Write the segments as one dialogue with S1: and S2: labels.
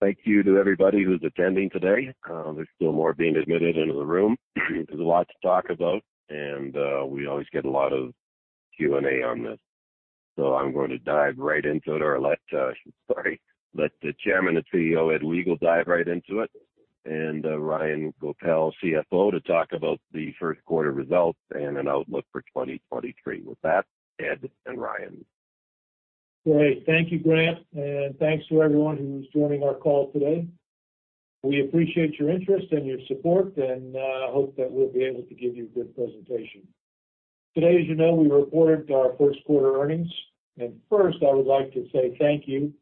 S1: Thank you to everybody who's attending today. There's still more being admitted into the room. There's a lot to talk about, and we always get a lot of Q&A on this. I'm going to dive right into it. Sorry, let the Chairman and CEO, Ed Wegel, dive right into it, and Ryan Goepel, CFO, to talk about the first quarter results and an outlook for 2023. With that, Ed and Ryan.
S2: Great. Thank you, Grant. Thanks to everyone who's joining our call today. We appreciate your interest and your support and hope that we'll be able to give you a good presentation. Today, as you know, we reported our first quarter earnings. First, I would like to say thank you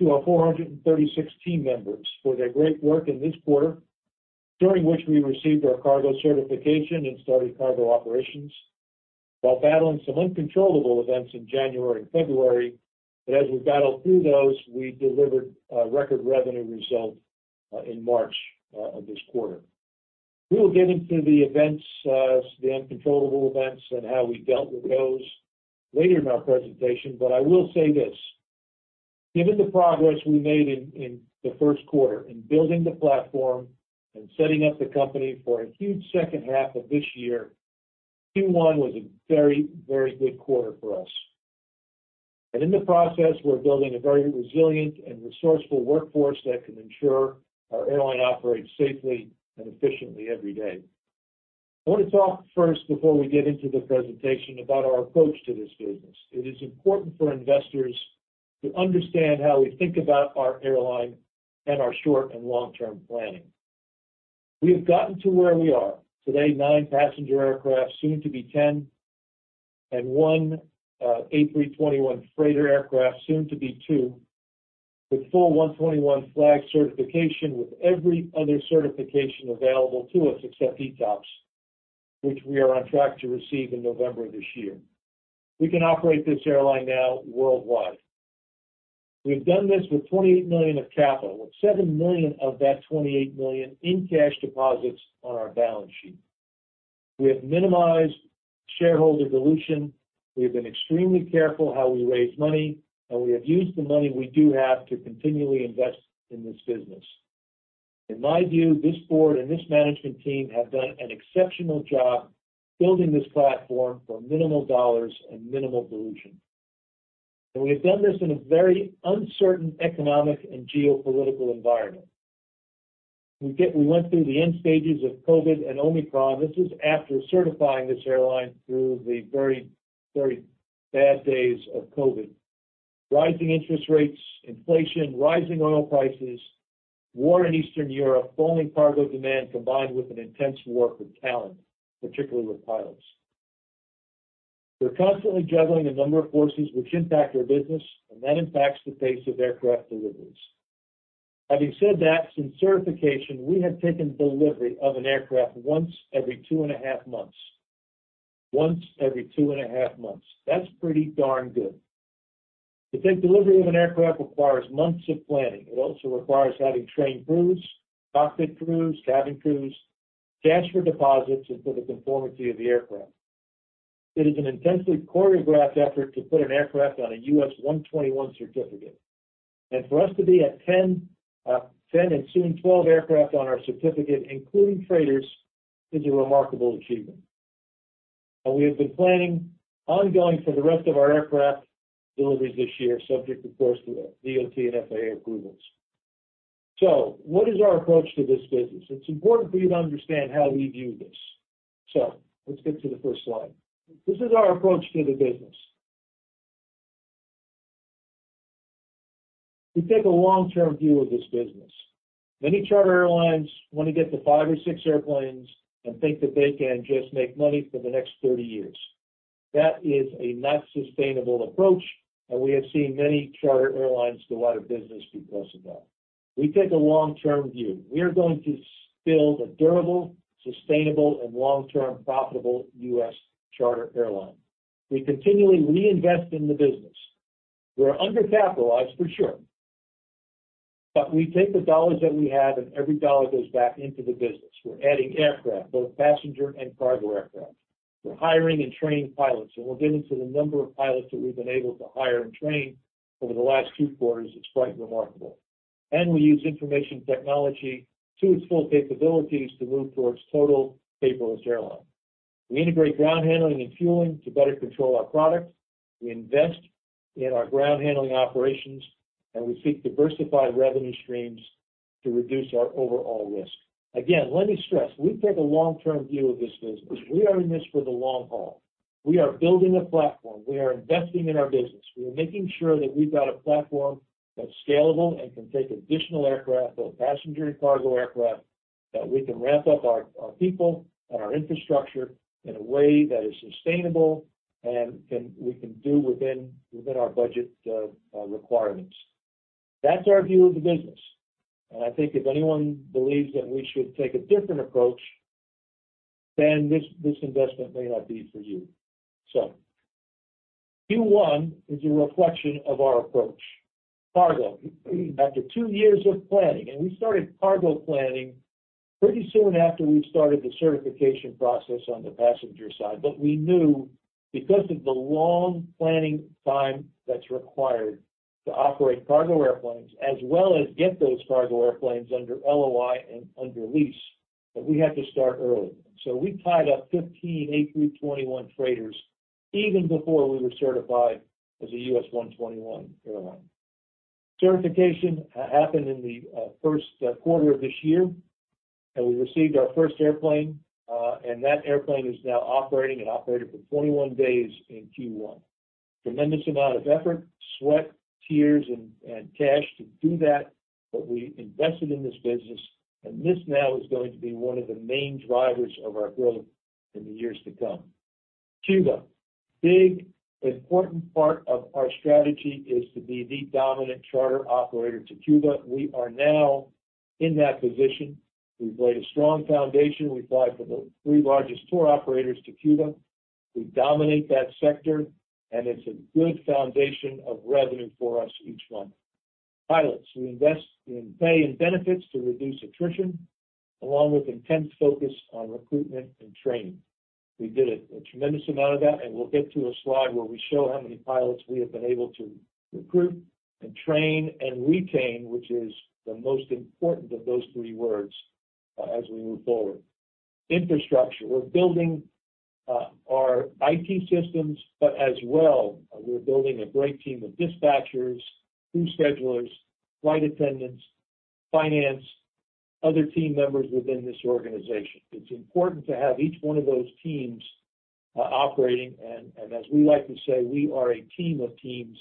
S2: to our 436 team members for their great work in this quarter, during which we received our cargo certification and started cargo operations while battling some uncontrollable events in January and February. As we battled through those, we delivered a record revenue result in March of this quarter. We'll get into the events, the uncontrollable events and how we dealt with those later in our presentation. I will say this, given the progress we made in the first quarter in building the platform and setting up the company for a huge second half of this year, Q1 was a very, very good quarter for us. In the process, we're building a very resilient and resourceful workforce that can ensure our airline operates safely and efficiently every day. I wanna talk first before we get into the presentation about our approach to this business. It is important for investors to understand how we think about our airline and our short and long-term planning. We have gotten to where we are today, nine passenger aircraft, soon to be 10, and one A321 freighter aircraft, soon to be two, with full 121 Flag certification with every other certification available to us except ETOPS, which we are on track to receive in November of this year. We can operate this airline now worldwide. We've done this with $28 million of capital, with $7 million of that $28 million in cash deposits on our balance sheet. We have minimized shareholder dilution. We have been extremely careful how we raise money, and we have used the money we do have to continually invest in this business. In my view, this board and this management team have done an exceptional job building this platform for minimal dollars and minimal dilution. We've done this in a very uncertain economic and geopolitical environment. We went through the end stages of COVID and Omicron. This is after certifying this airline through the very, very bad days of COVID. Rising interest rates, inflation, rising oil prices, war in Eastern Europe, falling cargo demand, combined with an intense war for talent, particularly with pilots. We're constantly juggling a number of forces which impact our business, and that impacts the pace of aircraft deliveries. Having said that, since certification, we have taken delivery of an aircraft once every 2.5 months. Once every 2.5 months. That's pretty darn good. To take delivery of an aircraft requires months of planning. It also requires having trained crews, cockpit crews, cabin crews, cash for deposits, and for the conformity of the aircraft. It is an intensely choreographed effort to put an aircraft on a U.S. 121 certificate. For us to be at 10 and soon 12 aircraft on our certificate, including freighters, is a remarkable achievement. We have been planning ongoing for the rest of our aircraft deliveries this year, subject of course to DOT and FAA approvals. What is our approach to this business? It's important for you to understand how we view this. Let's get to the first slide. This is our approach to the business. We take a long-term view of this business. Many charter airlines wanna get to five or six airplanes and think that they can just make money for the next 30 years. That is a not sustainable approach, and we have seen many charter airlines go out of business because of that. We take a long-term view. We are going to build a durable, sustainable, and long-term profitable U.S. charter airline. We continually reinvest in the business. We're undercapitalized for sure, but we take the dollars that we have and every dollar goes back into the business. We're adding aircraft, both passenger and cargo aircraft. We're hiring and training pilots. We'll get into the number of pilots that we've been able to hire and train over the last two quarters. It's quite remarkable. We use information technology to its full capabilities to move towards total paperless airline. We integrate ground handling and fueling to better control our product. We invest in our ground handling operations, and we seek diversified revenue streams to reduce our overall risk. Again, let me stress, we take a long-term view of this business. We are in this for the long haul. We are building a platform. We are investing in our business. We are making sure that we've got a platform that's scalable and can take additional aircraft or passenger and cargo aircraft, that we can ramp up our people and our infrastructure in a way that is sustainable and we can do within our budget requirements. That's our view of the business. I think if anyone believes that we should take a different approach, then this investment may not be for you. Q1 is a reflection of our approach. Cargo, after two years of planning. We started cargo planning pretty soon after we started the certification process on the passenger side. We knew because of the long planning time that's required to operate cargo airplanes, as well as get those cargo airplanes under LOI and under lease, that we had to start early. We tied up 15 A321 freighters even before we were certified as a U.S. 121 airline. Certification happened in the 1st quarter of this year, and we received our first airplane. That airplane is now operating and operated for 21 days in Q1. Tremendous amount of effort, sweat, tears, and cash to do that. We invested in this business. This now is going to be one of the main drivers of our growth in the years to come. Cuba. Big, important part of our strategy is to be the dominant charter operator to Cuba. We are now in that position. We've laid a strong foundation. We fly for the three largest tour operators to Cuba. We dominate that sector. It's a good foundation of revenue for us each month. Pilots. We invest in pay and benefits to reduce attrition, along with intense focus on recruitment and training. We did a tremendous amount of that, and we'll get to a slide where we show how many pilots we have been able to recruit and train and retain, which is the most important of those three words, as we move forward. Infrastructure. We're building our IT systems, but as well, we're building a great team of dispatchers, crew schedulers, flight attendants, finance, other team members within this organization. It's important to have each one of those teams operating, and as we like to say, we are a team of teams,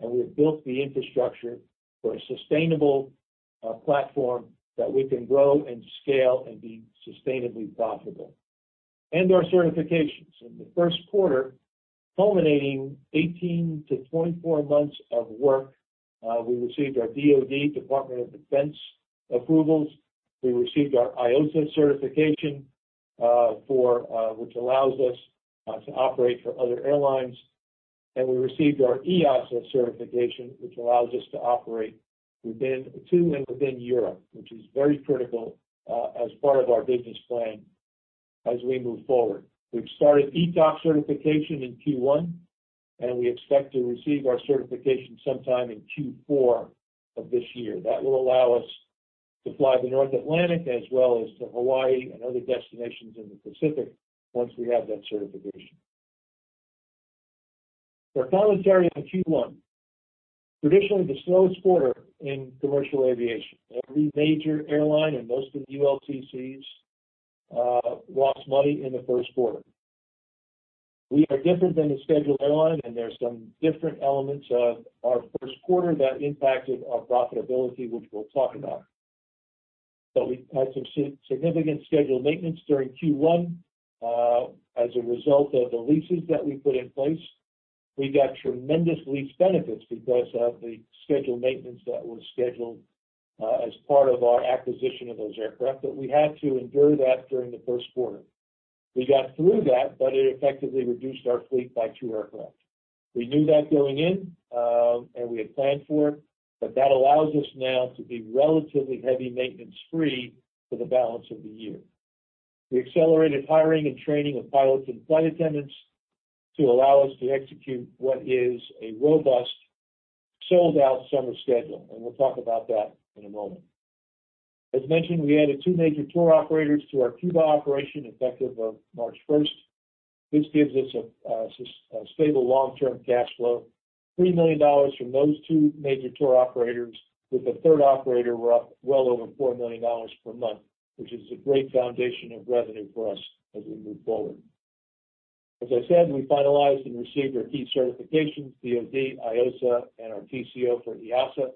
S2: and we have built the infrastructure for a sustainable platform that we can grow and scale and be sustainably profitable. Our certifications. In the first quarter, culminating 18-24 months of work, we received our DoD, Department of Defense approvals. We received our IOSA certification, for which allows us to operate for other airlines. We received our EASA certification, which allows us to operate to and within Europe, which is very critical as part of our business plan as we move forward. We've started ETOPS certification in Q1, and we expect to receive our certification sometime in Q4 of this year. That will allow us to fly the North Atlantic as well as to Hawaii and other destinations in the Pacific once we have that certification. Our commentary on Q1. Traditionally the slowest quarter in commercial aviation. Every major airline and most of the ULCCs lost money in the first quarter. We are different than a scheduled airline. There's some different elements of our first quarter that impacted our profitability, which we'll talk about. We had some significant scheduled maintenance during Q1 as a result of the leases that we put in place. We got tremendous lease benefits because of the scheduled maintenance that was scheduled as part of our acquisition of those aircraft. We had to endure that during the first quarter. We got through that. It effectively reduced our fleet by two aircraft. We knew that going in. We had planned for it. That allows us now to be relatively heavy maintenance-free for the balance of the year. We accelerated hiring and training of pilots and flight attendants to allow us to execute what is a robust, sold-out summer schedule. We'll talk about that in a moment. As mentioned, we added two major tour operators to our Cuba operation effective of March first. This gives us a stable long-term cash flow, $3 million from those two major tour operators. With a third operator, we're up well over $4 million per month, which is a great foundation of revenue for us as we move forward. As I said, we finalized and received our key certifications, DoD, IOSA, and our TCO for EASA.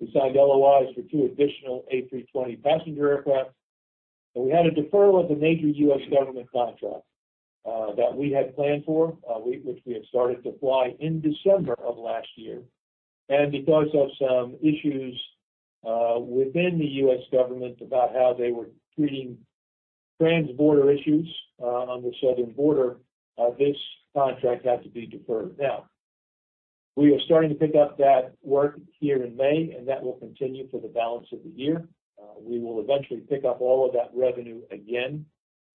S2: We signed LOIs for two additional A320 passenger aircraft, we had a deferral of a major U.S. government contract that we had planned for, which we had started to fly in December of last year. Because of some issues within the U.S. government about how they were treating transborder issues on the southern border, this contract had to be deferred. Now, we are starting to pick up that work here in May, and that will continue for the balance of the year. We will eventually pick up all of that revenue again,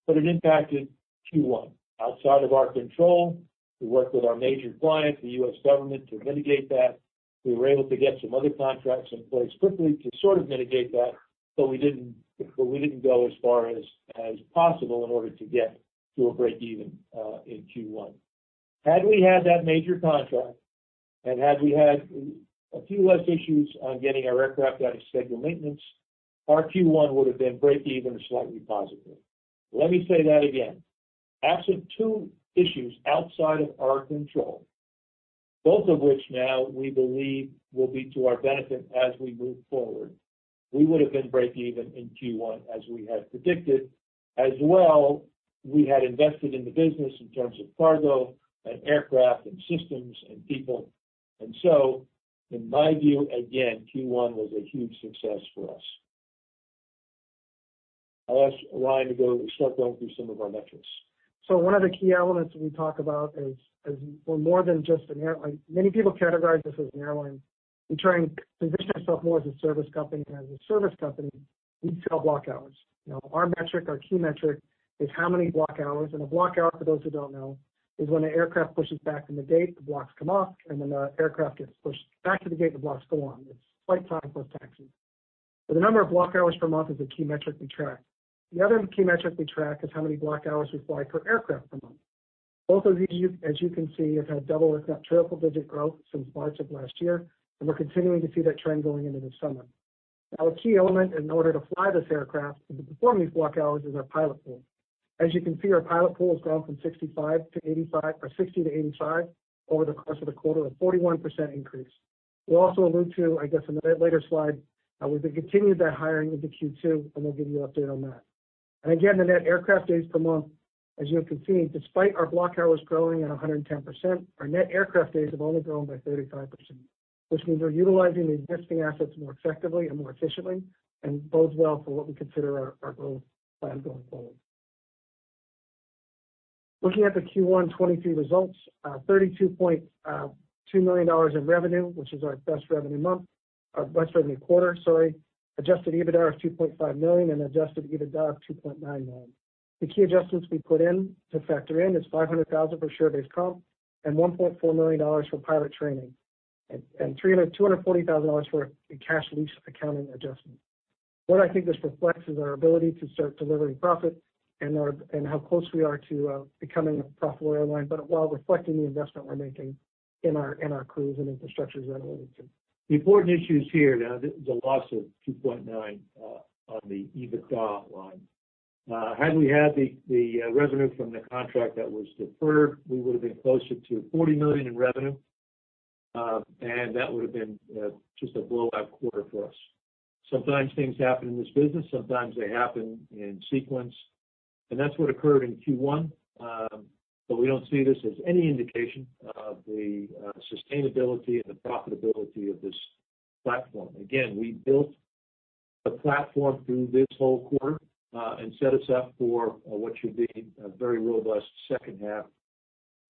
S2: but it impacted Q1. Outside of our control, we worked with our major client, the U.S. government, to mitigate that. We were able to get some other contracts in place quickly to sort of mitigate that, but we didn't go as far as possible in order to get to a break even in Q1. Had we had that major contract, and had we had a few less issues on getting our aircraft out of scheduled maintenance, our Q1 would have been break even or slightly positive. Let me say that again. After two issues outside of our control, both of which now we believe will be to our benefit as we move forward, we would have been break even in Q1 as we had predicted. As well, we had invested in the business in terms of cargo and aircraft and systems and people. In my view, again, Q1 was a huge success for us. I'll ask Ryan to start going through some of our metrics.
S3: One of the key elements that we talk about is we're more than just an airline. Many people categorize us as an airline. We try and position ourself more as a service company. As a service company, we sell block hours. You know, our metric, our key metric is how many block hours. A block hour, for those who don't know, is when an aircraft pushes back from the gate, the blocks come on, and then the aircraft gets pushed back to the gate, and the blocks go on. It's flight time plus taxi. The number of block hours per month is a key metric we track. The other key metric we track is how many block hours we fly per aircraft per month. Both of these, as you can see, have had double, if not triple-digit growth since March of last year. We're continuing to see that trend going into the summer. A key element in order to fly this aircraft and to perform these block hours is our pilot pool. As you can see, our pilot pool has grown from 65 to 85 or 60 to 85 over the course of the quarter, a 41% increase. We'll also allude to, I guess, in a bit later slide, we've been continued that hiring into Q2. We'll give you an update on that. Again, the net aircraft days per month, as you can see, despite our block hours growing at 110%, our net aircraft days have only grown by 35%, which means we're utilizing the existing assets more effectively and more efficiently and bodes well for what we consider our growth plan going forward. Looking at the Q1 2023 results, $32.2 million in revenue, which is our best revenue month or best revenue quarter, sorry. Adjusted EBITDA of $2.5 million and adjusted EBITDA of $2.9 million. The key adjustments we put in to factor in is $500,000 for share-based comp and $1.4 million for pilot training and $240,000 for a cash lease accounting adjustment. What I think this reflects is our ability to start delivering profit and how close we are to becoming a profitable airline, but while reflecting the investment we're making in our crews and infrastructures in Arlington.
S2: The important issue is here now, the loss of $2.9 on the EBITDA line. Had we had the revenue from the contract that was deferred, we would have been closer to $40 million in revenue, and that would have been just a blowout quarter for us. Sometimes things happen in this business, sometimes they happen in sequence, that's what occurred in Q1. We don't see this as any indication of the sustainability and the profitability of this platform. Again, we built the platform through this whole quarter, set us up for what should be a very robust second half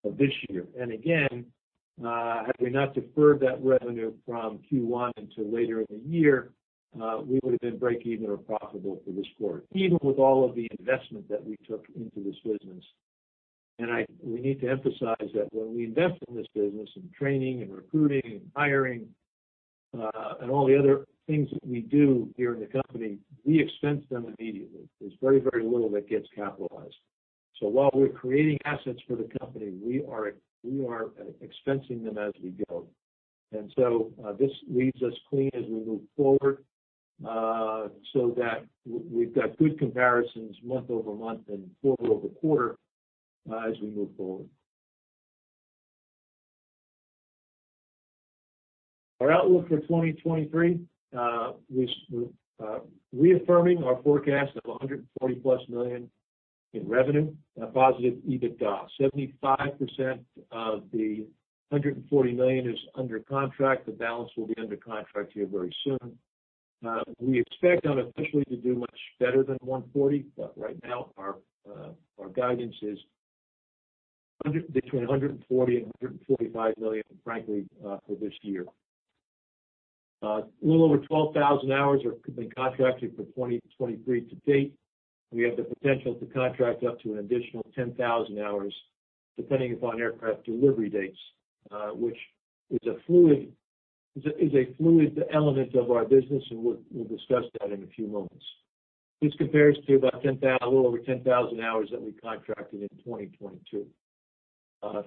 S2: of this year. Again, had we not deferred that revenue from Q1 until later in the year, we would have been breakeven or profitable for this quarter, even with all of the investment that we took into this business. We need to emphasize that when we invest in this business, in training, in recruiting, in hiring, and all the other things that we do here in the company, we expense them immediately. There's very, very little that gets capitalized. So while we're creating assets for the company, we are expensing them as we go. This leaves us clean as we move forward, so that we've got good comparisons month-over-month and quarter-over-quarter, as we move forward. Our outlook for 2023, we're reaffirming our forecast of $140+ million in revenue and a positive EBITDA. 75% of the $140 million is under contract. The balance will be under contract here very soon. We expect unofficially to do much better than $140 million, but right now our guidance is between $140 million and $145 million, frankly, for this year. A little over 12,000 hours have been contracted for 2023 to date. We have the potential to contract up to an additional 10,000 hours, depending upon aircraft delivery dates, which is a fluid element of our business, and we'll discuss that in a few moments. This compares to about a little over 10,000 hours that we contracted in 2022.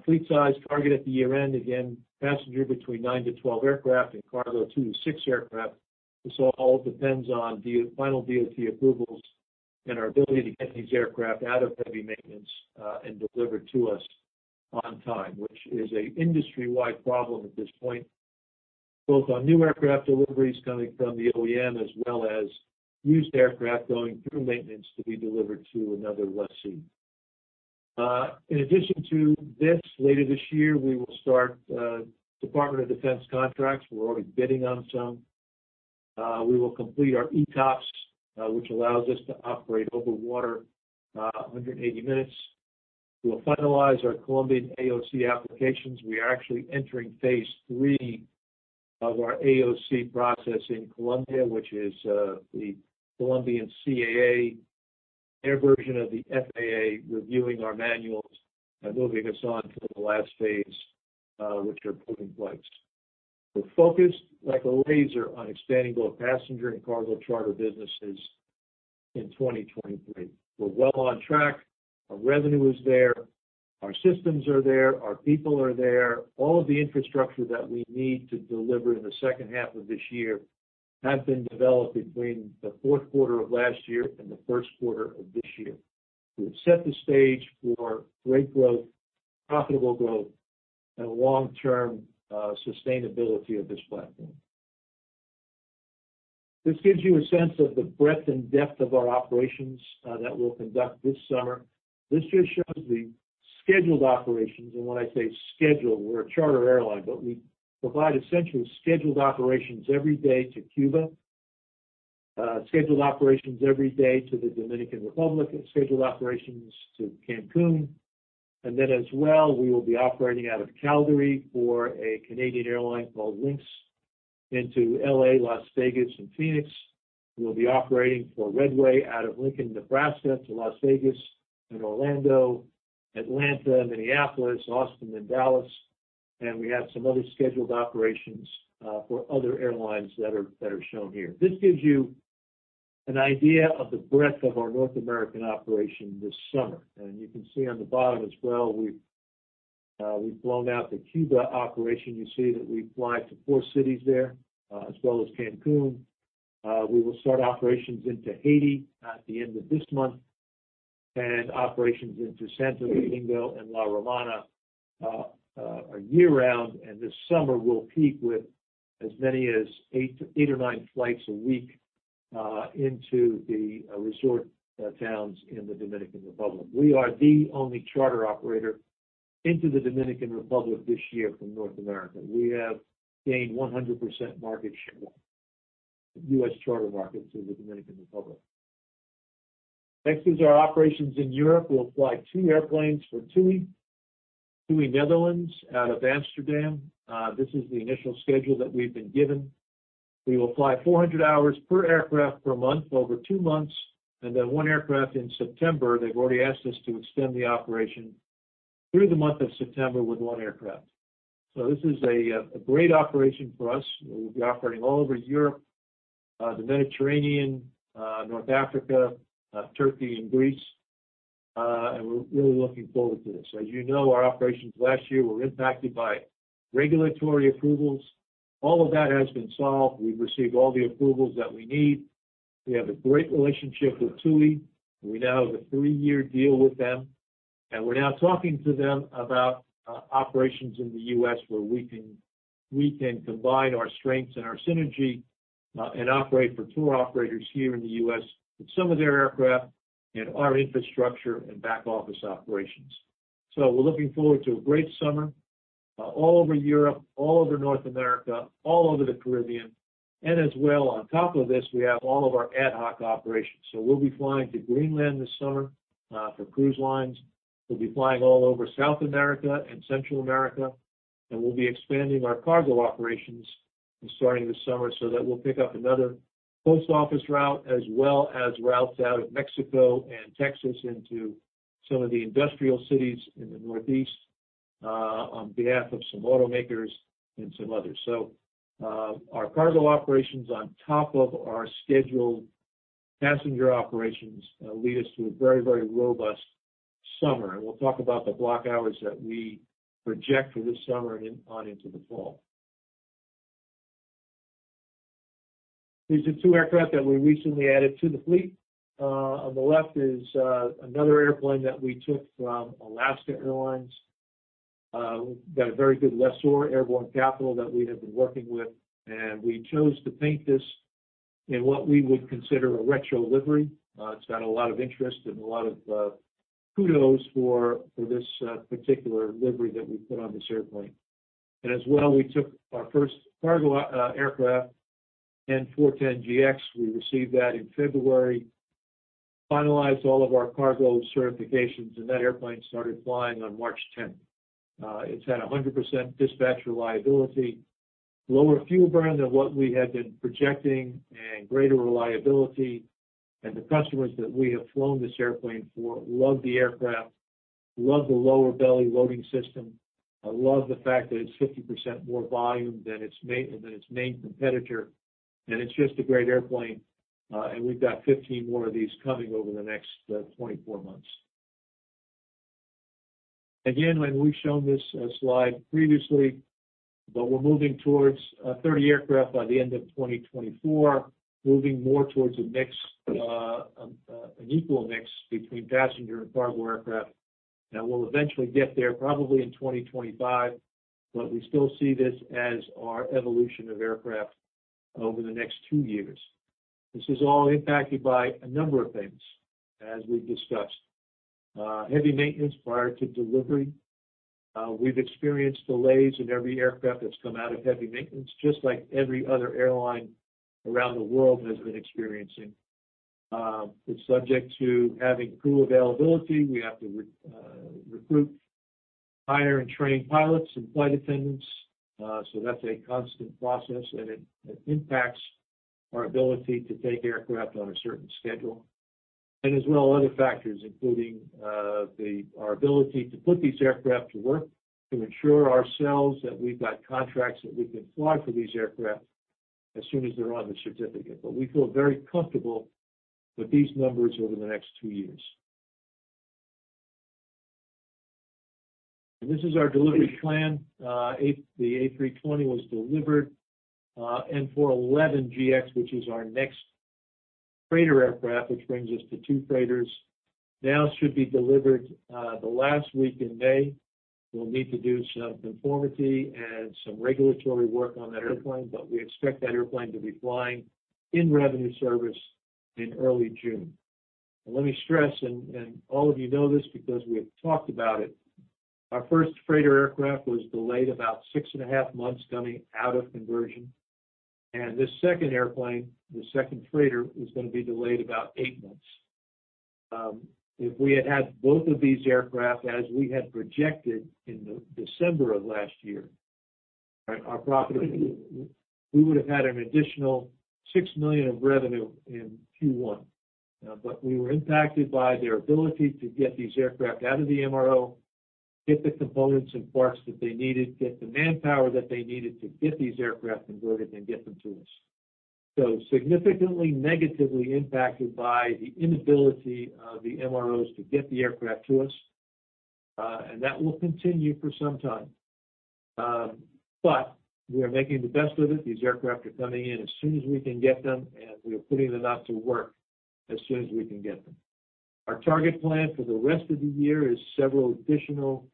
S2: Fleet size target at the year-end, again, passenger between nine to 12 aircraft and cargo, two to six aircraft. This all depends on the final DOT approvals and our ability to get these aircraft out of heavy maintenance and delivered to us on time, which is a industry-wide problem at this point, both on new aircraft deliveries coming from the OEM as well as used aircraft going through maintenance to be delivered to another lessee. In addition to this, later this year, we will start Department of Defense contracts. We're already bidding on some. We will complete our ETOPS, which allows us to operate over water, 180 minutes. We will finalize our Colombian AOC applications. We are actually entering phase 3 of our AOC process in Colombia, which is the Colombian CAA, their version of the FAA, reviewing our manuals and moving us on to the last phase, which are putting blanks. We're focused like a laser on expanding both passenger and cargo charter businesses in 2023. We're well on track. Our revenue is there, our systems are there, our people are there. All of the infrastructure that we need to deliver in the second half of this year have been developed between the fourth quarter of last year and the first quarter of this year. We have set the stage for great growth, profitable growth, and long-term sustainability of this platform. This gives you a sense of the breadth and depth of our operations that we'll conduct this summer. This just shows the scheduled operations. When I say scheduled, we're a charter airline, but we provide essentially scheduled operations every day to Cuba, scheduled operations every day to the Dominican Republic and scheduled operations to Cancun. As well, we will be operating out of Calgary for a Canadian airline called Lynx into L.A., Las Vegas, and Phoenix. We will be operating for Red Way out of Lincoln, Nebraska, to Las Vegas and Orlando, Atlanta, Minneapolis, Austin, and Dallas. We have some other scheduled operations for other airlines that are shown here. This gives you an idea of the breadth of our North American operation this summer. You can see on the bottom as well, we've blown out the Cuba operation. You see that we fly to four cities there as well as Cancun. We will start operations into Haiti at the end of this month, and operations into Santo Domingo and La Romana are year-round, and this summer will peak with as many as eight or nine flights a week into the resort towns in the Dominican Republic. We are the only charter operator into the Dominican Republic this year from North America. We have gained 100% market share, U.S. charter market to the Dominican Republic. Next is our operations in Europe. We'll fly two airplanes for TUI fly Netherlands, out of Amsterdam. This is the initial schedule that we've been given. We will fly 400 hours per aircraft per month over two months, and then one aircraft in September. They've already asked us to extend the operation through the month of September with one aircraft. This is a great operation for us. We'll be operating all over Europe, the Mediterranean, North Africa, Turkey and Greece. We're really looking forward to this. As you know, our operations last year were impacted by regulatory approvals. All of that has been solved. We've received all the approvals that we need. We have a great relationship with TUI. We now have a three-year deal with them. We're now talking to them about operations in the U.S., where we can combine our strengths and our synergy and operate for tour operators here in the U.S. with some of their aircraft and our infrastructure and back office operations. We're looking forward to a great summer, all over Europe, all over North America, all over the Caribbean. As well, on top of this, we have all of our ad hoc operations. We'll be flying to Greenland this summer for cruise lines. We'll be flying all over South America and Central America, and we'll be expanding our cargo operations starting this summer so that we'll pick up another post office route as well as routes out of Mexico and Texas into some of the industrial cities in the Northeast on behalf of some automakers and some others. Our cargo operations on top of our scheduled passenger operations lead us to a very, very robust summer. We'll talk about the block hours that we project for this summer and on into the fall. These are two aircraft that we recently added to the fleet. On the left is another airplane that we took from Alaska Airlines. We've got a very good lessor, Airborne Capital, that we have been working with. We chose to paint this in what we would consider a retro livery. It's got a lot of interest and a lot of kudos for this particular livery that we put on this airplane. As well, we took our first cargo aircraft, N410GX. We received that in February, finalized all of our cargo certifications, and that airplane started flying on March 10th. It's had a 100% dispatch reliability, lower fuel burn than what we had been projecting, and greater reliability. The customers that we have flown this airplane for love the aircraft, love the lower belly loading system, love the fact that it's 50% more volume than its main competitor. It's just a great airplane. We've got 15 more of these coming over the next 24 months. Again, when we've shown this slide previously, we're moving towards 30 aircraft by the end of 2024, moving more towards a mix, an equal mix between passenger and cargo aircraft. Now we'll eventually get there probably in 2025, we still see this as our evolution of aircraft over the next two years. This is all impacted by a number of things as we've discussed. Heavy maintenance prior to delivery. We've experienced delays in every aircraft that's come out of heavy maintenance, just like every other airline around the world has been experiencing. It's subject to having crew availability. We have to recruit, hire, and train pilots and flight attendants. That's a constant process, and it impacts our ability to take aircraft on a certain schedule. As well, other factors, including our ability to put these aircraft to work to ensure ourselves that we've got contracts that we can fly for these aircraft as soon as they're on the certificate. We feel very comfortable with these numbers over the next two years. This is our delivery plan. The A320 was delivered. N411GX, which is our next freighter aircraft, which brings us to two freighters, now should be delivered the last week in May. We'll need to do some conformity and some regulatory work on that airplane, but we expect that airplane to be flying in revenue service in early June. Let me stress, and all of you know this because we have talked about it. Our first freighter aircraft was delayed about six and a half months coming out of conversion. This second airplane, the second freighter, is gonna be delayed about eight months. If we had had both of these aircraft as we had projected in the December of last year, our profitability. We would have had an additional $6 million of revenue in Q1. We were impacted by their ability to get these aircraft out of the MRO, get the components and parts that they needed, get the manpower that they needed to get these aircraft converted and get them to us. Significantly negatively impacted by the inability of the MROs to get the aircraft to us, and that will continue for some time. We are making the best of it. These aircraft are coming in as soon as we can get them, and we are putting them out to work as soon as we can get them. Our target plan for the rest of the year is several additional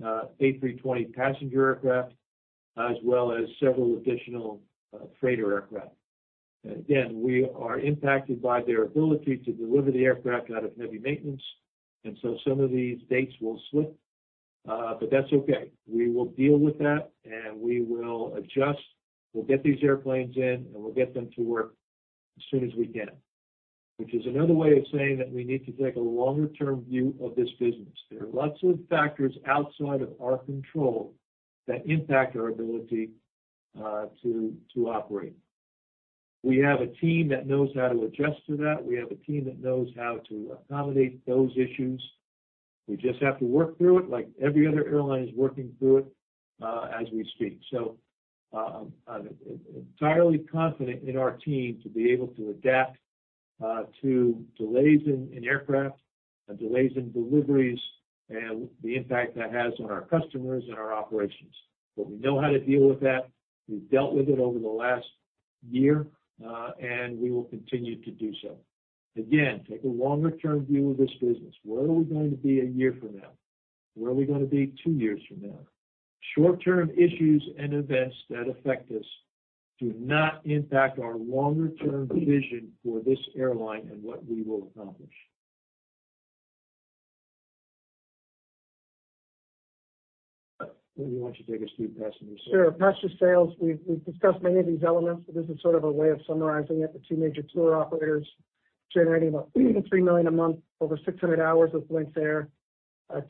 S2: A320 passenger aircraft as well as several additional freighter aircraft. Again, we are impacted by their ability to deliver the aircraft out of heavy maintenance, and so some of these dates will slip. That's okay. We will deal with that, and we will adjust. We'll get these airplanes in, and we'll get them to work as soon as we can, which is another way of saying that we need to take a longer-term view of this business. There are lots of factors outside of our control that impact our ability to operate. We have a team that knows how to adjust to that. We have a team that knows how to accommodate those issues. We just have to work through it like every other airline is working through it as we speak. I'm entirely confident in our team to be able to adapt to delays in aircraft and delays in deliveries and the impact that has on our customers and our operations. We know how to deal with that. We've dealt with it over the last year, and we will continue to do so. Take a longer-term view of this business. Where are we going to be a year from now? Where are we gonna be two years from now? Short-term issues and events that affect us do not impact our longer-term vision for this airline and what we will accomplish.
S3: Passenger sales, we've discussed many of these elements, but this is sort of a way of summarizing it. The two major tour operators generating about $3 million a month. Over 600 hours with Lynx Air.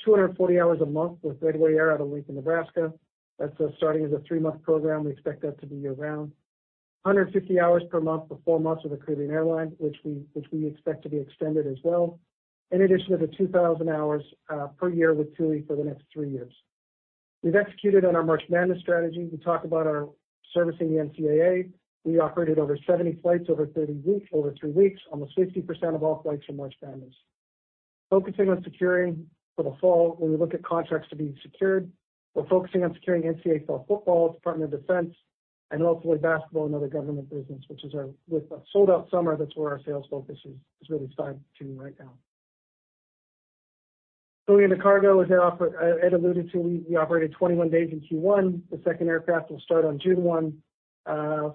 S3: 240 hours a month with Red Way Air out of Lincoln, Nebraska. That's starting as a three-month program. We expect that to be year-round. 150 hours per month for four months with a Caribbean airline, which we expect to be extended as well. In addition to the 2,000 hours per year with TUI for the next three years. We've executed on our March Madness strategy. We talk about our servicing the NCAA. We operated over 70 flights over three weeks. Almost 50% of all flights are March Madness. Focusing on securing for the fall. When we look at contracts to be secured, we're focusing on securing NCAA football, Department of Defense, and hopefully basketball and other government business. With a sold-out summer, that's where our sales focus is really tied to right now. Going into cargo, as Ed alluded to, we operated 21 days in Q1. The second aircraft will start on June 1.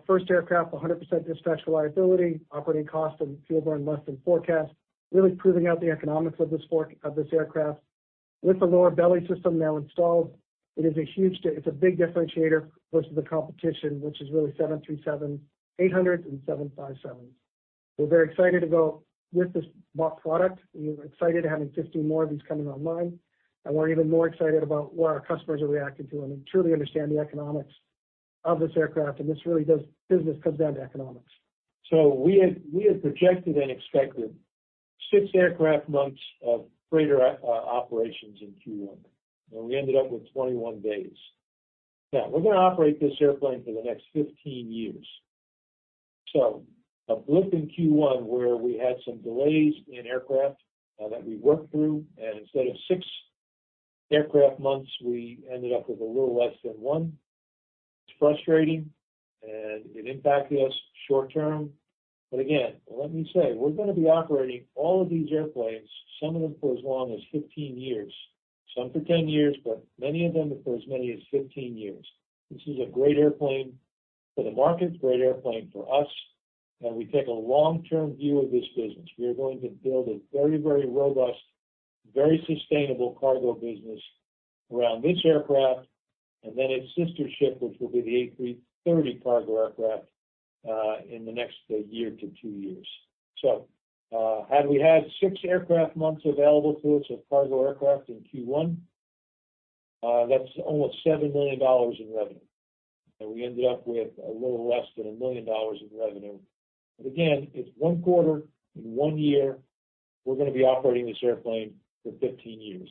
S3: First aircraft, 100% dispatch reliability. Operating costs and fuel burn less than forecast, really proving out the economics of this aircraft. With the lower belly system now installed, it's a big differentiator versus the competition, which is really 737, 800 and 757. We're very excited to go with this bought product. We're excited having 15 more of these coming online. We're even more excited about what our customers are reacting to and truly understand the economics of this aircraft. Business comes down to economics.
S2: We had projected and expected 6 aircraft months of freighter operations in Q1. We ended up with 21 days. We're gonna operate this airplane for the next 15 years. A blip in Q1 where we had some delays in aircraft that we worked through, and instead of six aircraft months, we ended up with a little less than one. It's frustrating, and it impacted us short-term. Again, let me say, we're gonna be operating all of these airplanes, some of them for as long as 15 years, some for 10 years, but many of them for as many as 15 years. This is a great airplane for the market, it's a great airplane for us, and we take a long-term view of this business. We are going to build a very, very robust, very sustainable cargo business around this aircraft, and then its sister ship, which will be the A330 cargo aircraft, in the next year to two years. Had we had six aircraft months available to us of cargo aircraft in Q1, that's almost $7 million in revenue. We ended up with a little less than $1 million in revenue. Again, it's one quarter in one year. We're going to be operating this airplane for 15 years.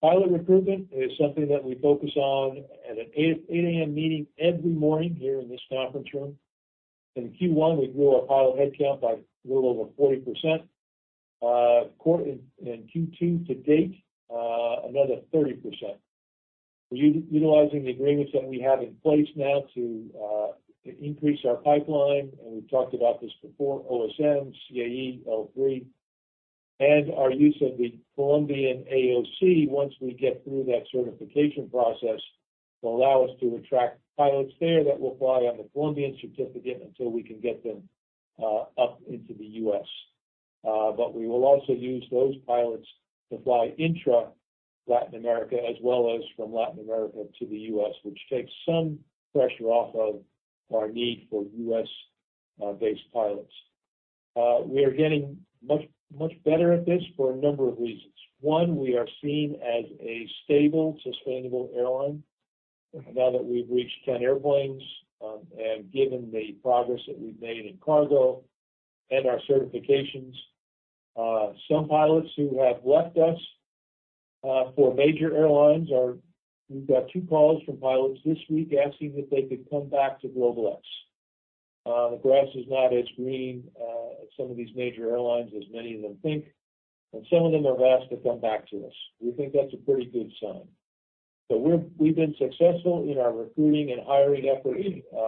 S2: Pilot recruitment is something that we focus on at an 8:00 A.M. meeting every morning here in this conference room. In Q1, we grew our pilot headcount by a little over 40%. In Q2 to date, another 30%. Utilizing the agreements that we have in place now to increase our pipeline, and we've talked about this before, OSM, CAE, L3. Our use of the Colombian AOC, once we get through that certification process. Will allow us to attract pilots there that will fly on the Colombian certificate until we can get them up into the U.S. We will also use those pilots to fly intra-Latin America as well as from Latin America to the U.S., which takes some pressure off of our need for U.S. based pilots. We are getting much, much better at this for a number of reasons. One, we are seen as a stable, sustainable airline now that we've reached 10 airplanes, and given the progress that we've made in cargo and our certifications. Some pilots who have left us for major airlines are— We've got two calls from pilots this week asking if they could come back to GlobalX. The grass is not as green at some of these major airlines as many of them think, and some of them have asked to come back to us. We think that's a pretty good sign. We've been successful in our recruiting and hiring effort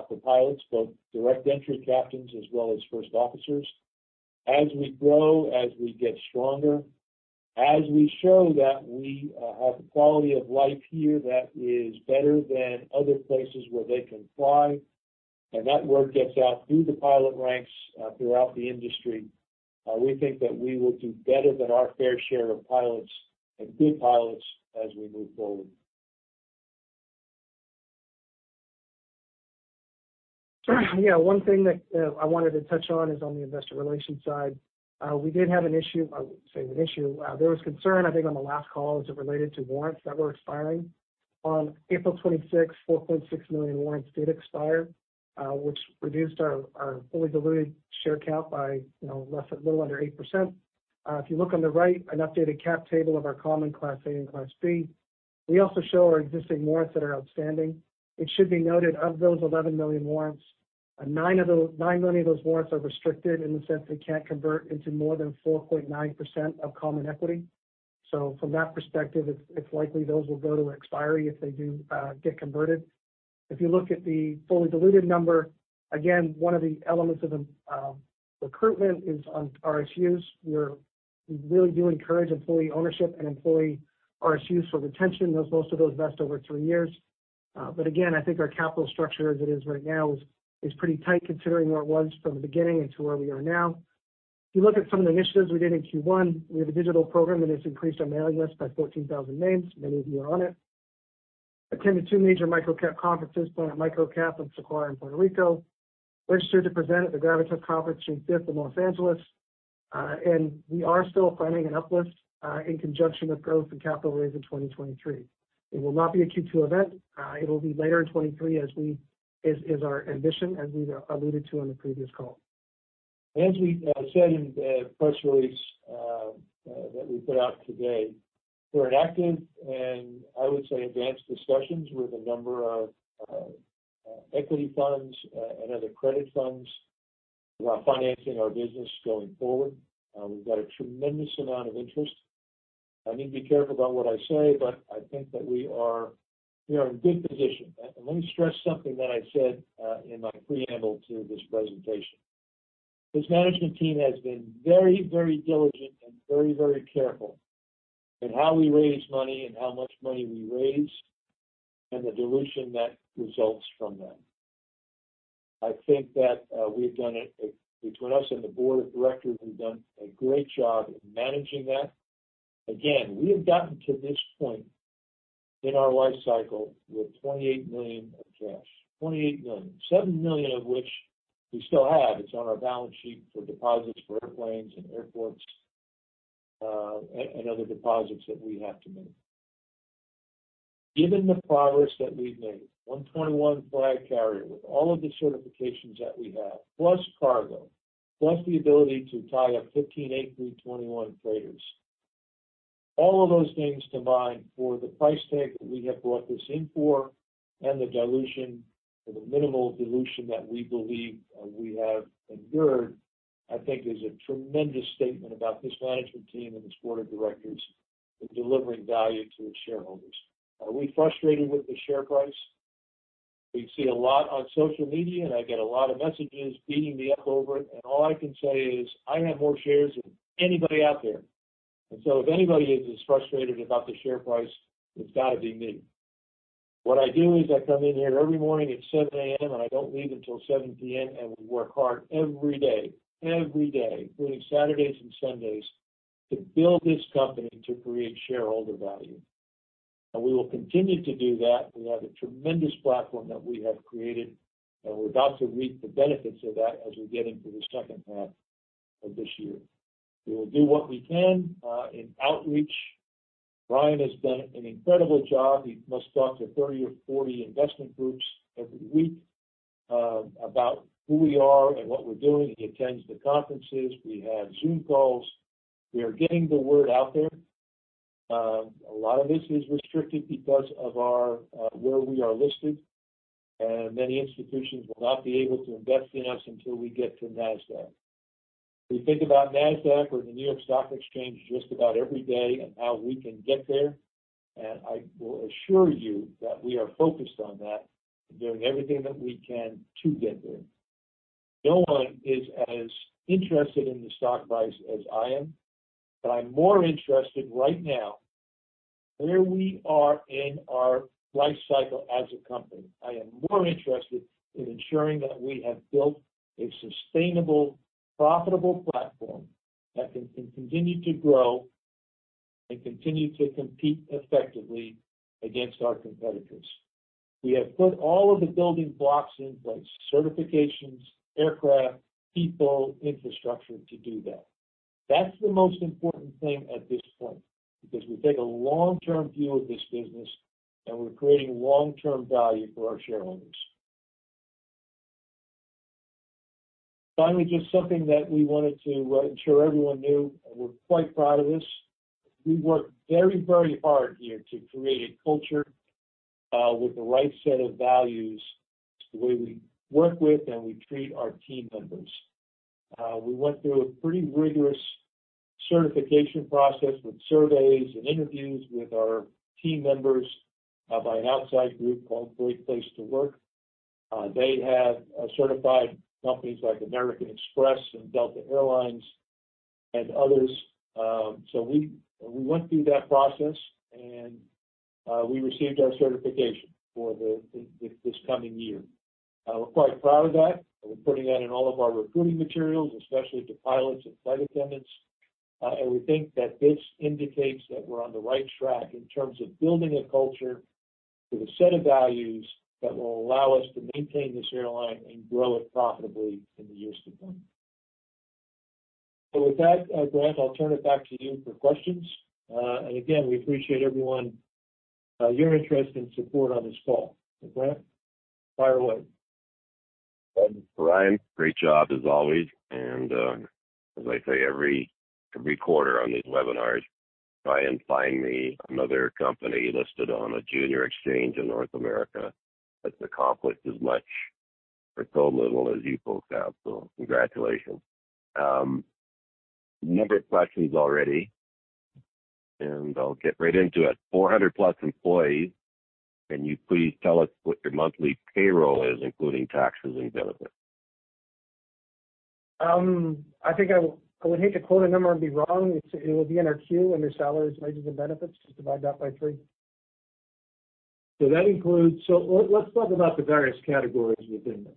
S2: for pilots, both direct entry captains as well as first officers. As we grow, as we get stronger, as we show that we have a quality of life here that is better than other places where they can fly, and that word gets out through the pilot ranks throughout the industry, we think that we will do better than our fair share of pilots and good pilots as we move forward.
S3: Yeah. One thing that I wanted to touch on is on the investor relations side. We did have an issue. I wouldn't say an issue. There was concern, I think, on the last call as it related to warrants that were expiring. On April 26th, 4.6 million warrants did expire, which reduced our fully diluted share count by, you know, a little under 8%. If you look on the right, an updated cap table of our common Class A and Class B. We also show our existing warrants that are outstanding. It should be noted, of those 11 million warrants, 9 million of those warrants are restricted in the sense they can't convert into more than 4.9% of common equity. From that perspective, it's likely those will go to expiry if they do get converted. If you look at the fully diluted number, again, one of the elements of the recruitment is on RSUs. We really do encourage employee ownership and employee RSUs for retention. Most of those vest over three years. Again, I think our capital structure as it is right now is pretty tight considering where it was from the beginning and to where we are now. If you look at some of the initiatives we did in Q1, we have a digital program, and it's increased our mailing list by 14,000 names. Many of you are on it. Attended two major microcap conferences, Planet MicroCap and Sequire in Puerto Rico. Registered to present at the Gravitas Conference June 5th in Los Angeles. We are still planning an up-list in conjunction with growth and capital raise in 2023. It will not be a Q2 event. It will be later in 2023 as our ambition, as we've alluded to on the previous call.
S2: As we said in the press release that we put out today, we're in active, and I would say advanced discussions with a number of equity funds and other credit funds about financing our business going forward. We've got a tremendous amount of interest. I need to be careful about what I say, but I think that we are in good position. And let me stress something that I said in my preamble to this presentation. This management team has been very, very diligent and very, very careful in how we raise money and how much money we raise, and the dilution that results from that. I think that we've done it between us and the board of directors, we've done a great job in managing that. We have gotten to this point in our life cycle with $28 million of cash. $28 million. $7 million of which we still have. It's on our balance sheet for deposits for airplanes and airports and other deposits that we have to make. Given the progress that we've made, 121 Flag carrier with all of the certifications that we have, plus cargo, plus the ability to tie up 15 A321 freighters, all of those things combined for the price tag that we have brought this in for and the dilution or the minimal dilution that we believe we have endured, I think is a tremendous statement about this management team and this board of directors in delivering value to its shareholders. Are we frustrated with the share price? We see a lot on social media, and I get a lot of messages beating me up over it, and all I can say is I have more shares than anybody out there. If anybody is as frustrated about the share price, it's gotta be me. What I do is I come in here every morning at 7:00 A.M., and I don't leave until 7:00 P.M., and we work hard every day, including Saturdays and Sundays, to build this company to create shareholder value. We will continue to do that. We have a tremendous platform that we have created, and we're about to reap the benefits of that as we get into the second half of this year. We will do what we can, in outreach. Brian has done an incredible job. He must talk to 30 or 40 investment groups every week, about who we are and what we're doing. He attends the conferences. We have Zoom calls. We are getting the word out there. A lot of this is restricted because of our, where we are listed. Many institutions will not be able to invest in us until we get to Nasdaq. We think about Nasdaq or the New York Stock Exchange just about every day and how we can get there. I will assure you that we are focused on that and doing everything that we can to get there. No one is as interested in the stock price as I am. I'm more interested right now where we are in our life cycle as a company. I am more interested in ensuring that we have built a sustainable, profitable platform that can continue to grow and continue to compete effectively against our competitors. We have put all of the building blocks in place, certifications, aircraft, people, infrastructure to do that. That's the most important thing at this point, because we take a long-term view of this business and we're creating long-term value for our shareholders. Finally, just something that we wanted to ensure everyone knew, and we're quite proud of this. We work very, very hard here to create a culture with the right set of values, the way we work with and we treat our team members. We went through a pretty rigorous certification process with surveys and interviews with our team members by an outside group called Great Place To Work. They have certified companies like American Express and Delta Air Lines and others. We went through that process and we received our certification for this coming year. We're quite proud of that. We're putting that in all of our recruiting materials, especially to pilots and flight attendants. We think that this indicates that we're on the right track in terms of building a culture with a set of values that will allow us to maintain this airline and grow it profitably in the years to come. With that, Grant, I'll turn it back to you for questions. Again, we appreciate everyone, your interest and support on this call. Grant, fire away.
S1: Right, great job as always. As I say every quarter on these webinars, try and find me another company listed on a junior exchange in North America that's accomplished as much for so little as you folks have. Congratulations. A number of questions already, I'll get right into it. 400+ employees. Can you please tell us what your monthly payroll is, including taxes and benefits?
S3: I think I would hate to quote a number and be wrong. It will be in our Q under salaries, wages, and benefits. Just divide that by three.
S2: That includes-- Let's talk about the various categories within that.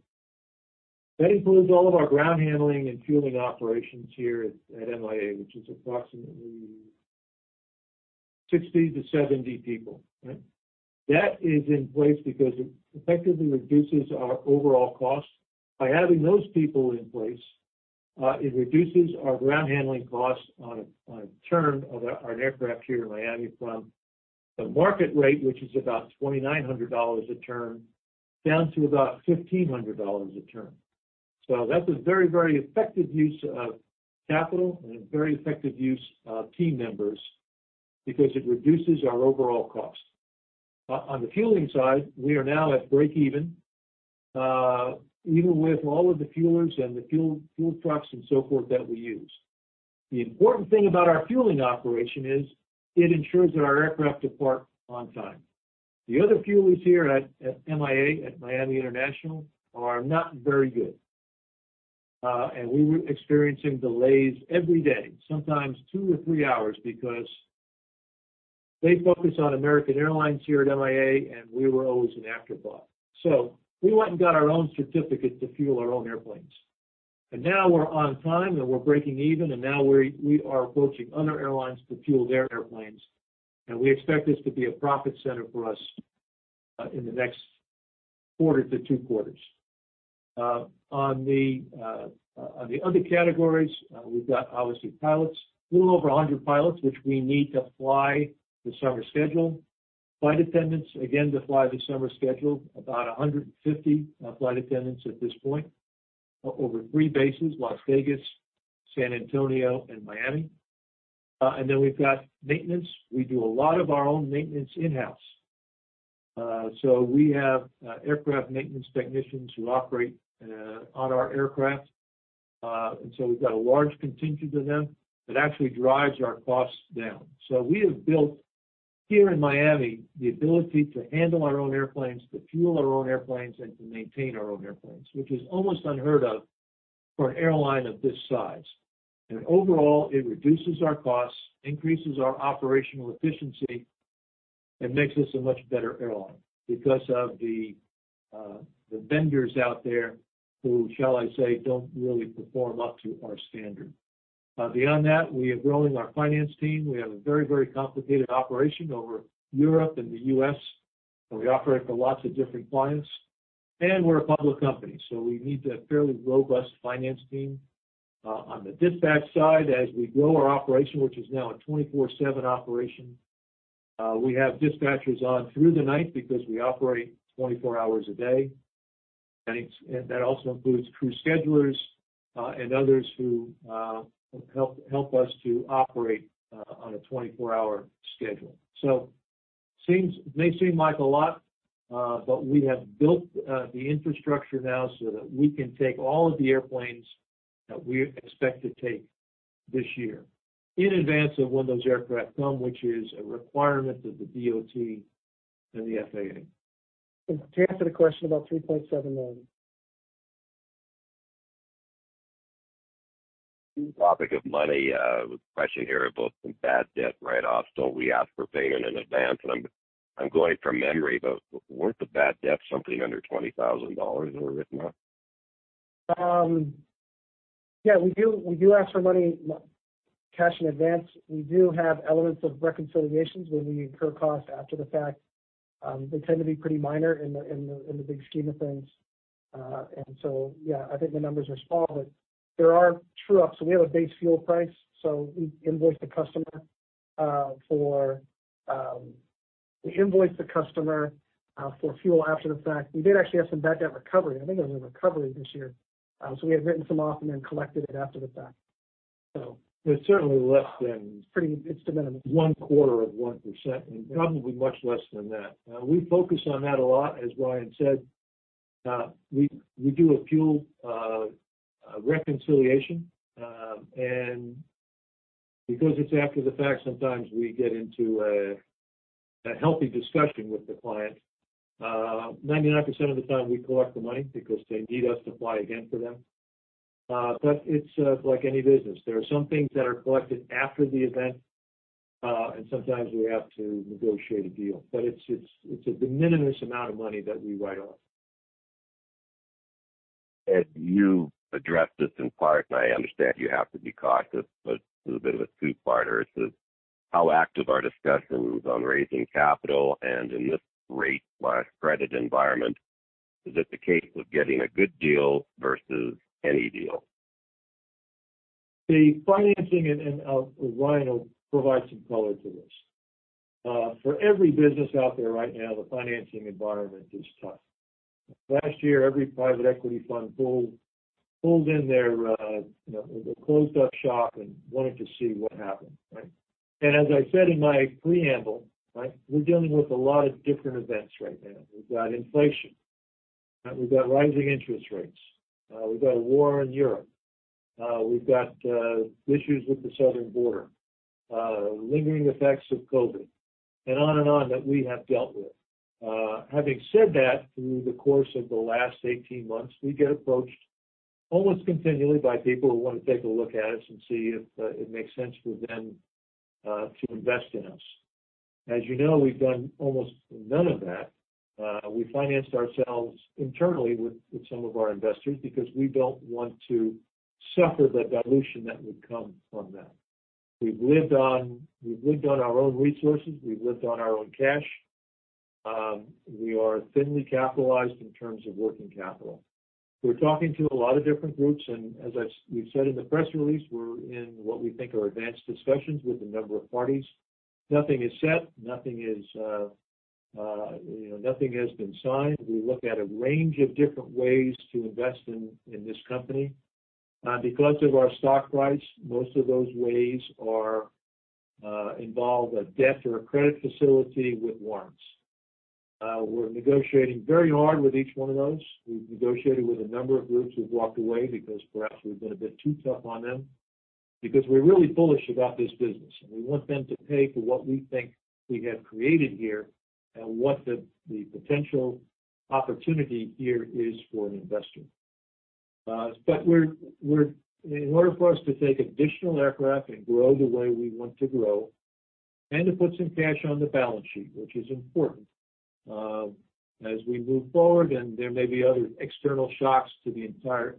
S2: That includes all of our ground handling and fueling operations here at MIA, which is approximately 60 to 70 people, right? That is in place because it effectively reduces our overall costs. By having those people in place, it reduces our ground handling costs on a turn of our aircraft here in Miami from the market rate, which is about $2,900 a turn, down to about $1,500 a turn. That's a very, very effective use of capital and a very effective use of team members because it reduces our overall cost. On the fueling side, we are now at break even with all of the fuelers and the fuel trucks and so forth that we use. The important thing about our fueling operation is it ensures that our aircraft depart on time. The other fuelers here at MIA, at Miami International, are not very good. We were experiencing delays every day, sometimes two or three hours, because they focus on American Airlines here at MIA, and we were always an afterthought. We went and got our own certificate to fuel our own airplanes. Now we're on time, and we're breaking even, and now we are approaching other airlines to fuel their airplanes. We expect this to be a profit center for us, in the next quarter to two quarters. On the other categories, we've got obviously pilots, little over 100 pilots, which we need to fly the summer schedule. Flight attendants, again, to fly the summer schedule, about 150 flight attendants at this point, over three bases, Las Vegas, San Antonio, and Miami. Then we've got maintenance. We do a lot of our own maintenance in-house. We have aircraft maintenance technicians who operate on our aircraft. So we've got a large contingent of them that actually drives our costs down. So we have built here in Miami the ability to handle our own airplanes, to fuel our own airplanes, and to maintain our own airplanes, which is almost unheard of for an airline of this size. Overall, it reduces our costs, increases our operational efficiency, and makes us a much better airline because of the vendors out there who, shall I say, don't really perform up to our standard. Beyond that, we are growing our finance team. We have a very, very complicated operation over Europe and the U.S., and we operate for lots of different clients. We're a public company, so we need a fairly robust finance team. On the dispatch side, as we grow our operation, which is now a 24/7 operation, we have dispatchers on through the night because we operate 24 hours a day. That also includes crew schedulers, and others who help us to operate on a 24-hour schedule. It may seem like a lot, but we have built the infrastructure now so that we can take all of the airplanes that we expect to take this year in advance of when those aircraft come, which is a requirement of the DOT and the FAA.
S3: To answer the question, about $3.7 million.
S1: Topic of money, question here about the bad debt write-off. Don't we ask for payment in advance? I'm going from memory, but weren't the bad debts something under $20,000 that were written off?
S3: Yeah, we do ask for money, cash in advance. We do have elements of reconciliations where we incur costs after the fact. They tend to be pretty minor in the big scheme of things. Yeah, I think the numbers are small, but there are true-ups. We have a base fuel price, we invoice the customer for fuel after the fact. We did actually have some bad debt recovery. I think there was a recovery this year. We had written some off and collected it after the fact.
S2: It's certainly less than...
S3: It's pretty. It's de minimis.
S2: ...one quarter of 1%, and probably much less than that. We focus on that a lot, as Ryan said. We do a fuel reconciliation. Because it's after the fact, sometimes we get into a healthy discussion with the client. 99% of the time we collect the money because they need us to fly again for them. It's like any business, there are some things that are collected after the event, and sometimes we have to negotiate a deal. It's a de minimis amount of money that we write off.
S1: Ed, you addressed this in part, and I understand you have to be cautious, but this is a bit of a two-parter. It says, "How active are discussions on raising capital and this rate/credit environment, is it the case of getting a good deal versus any deal?
S2: The financing, Ryan will provide some color to this. For every business out there right now, the financing environment is tough. Last year, every private equity fund pulled in their, you know, they closed up shop and wanted to see what happened, right? As I said in my preamble, right, we're dealing with a lot of different events right now. We've got inflation. We've got rising interest rates. We've got a war in Europe. We've got issues with the southern border, lingering effects of COVID, and on and on that we have dealt with. Having said that, through the course of the last 18 months, we get approached almost continually by people who wanna take a look at us and see if it makes sense for them to invest in us. As you know, we've done almost none of that. We financed ourselves internally with some of our investors because we don't want to suffer the dilution that would come from that. We've lived on our own resources. We've lived on our own cash. We are thinly capitalized in terms of working capital. We're talking to a lot of different groups, and as we've said in the press release, we're in what we think are advanced discussions with a number of parties. Nothing is set. Nothing is, you know, nothing has been signed. We look at a range of different ways to invest in this company. Because of our stock price, most of those ways are involve a debt or a credit facility with warrants. We're negotiating very hard with each one of those. We've negotiated with a number of groups who've walked away because perhaps we've been a bit too tough on them because we're really bullish about this business, and we want them to pay for what we think we have created here and what the potential opportunity here is for an investor. In order for us to take additional aircraft and grow the way we want to grow, and to put some cash on the balance sheet, which is important as we move forward, and there may be other external shocks to the entire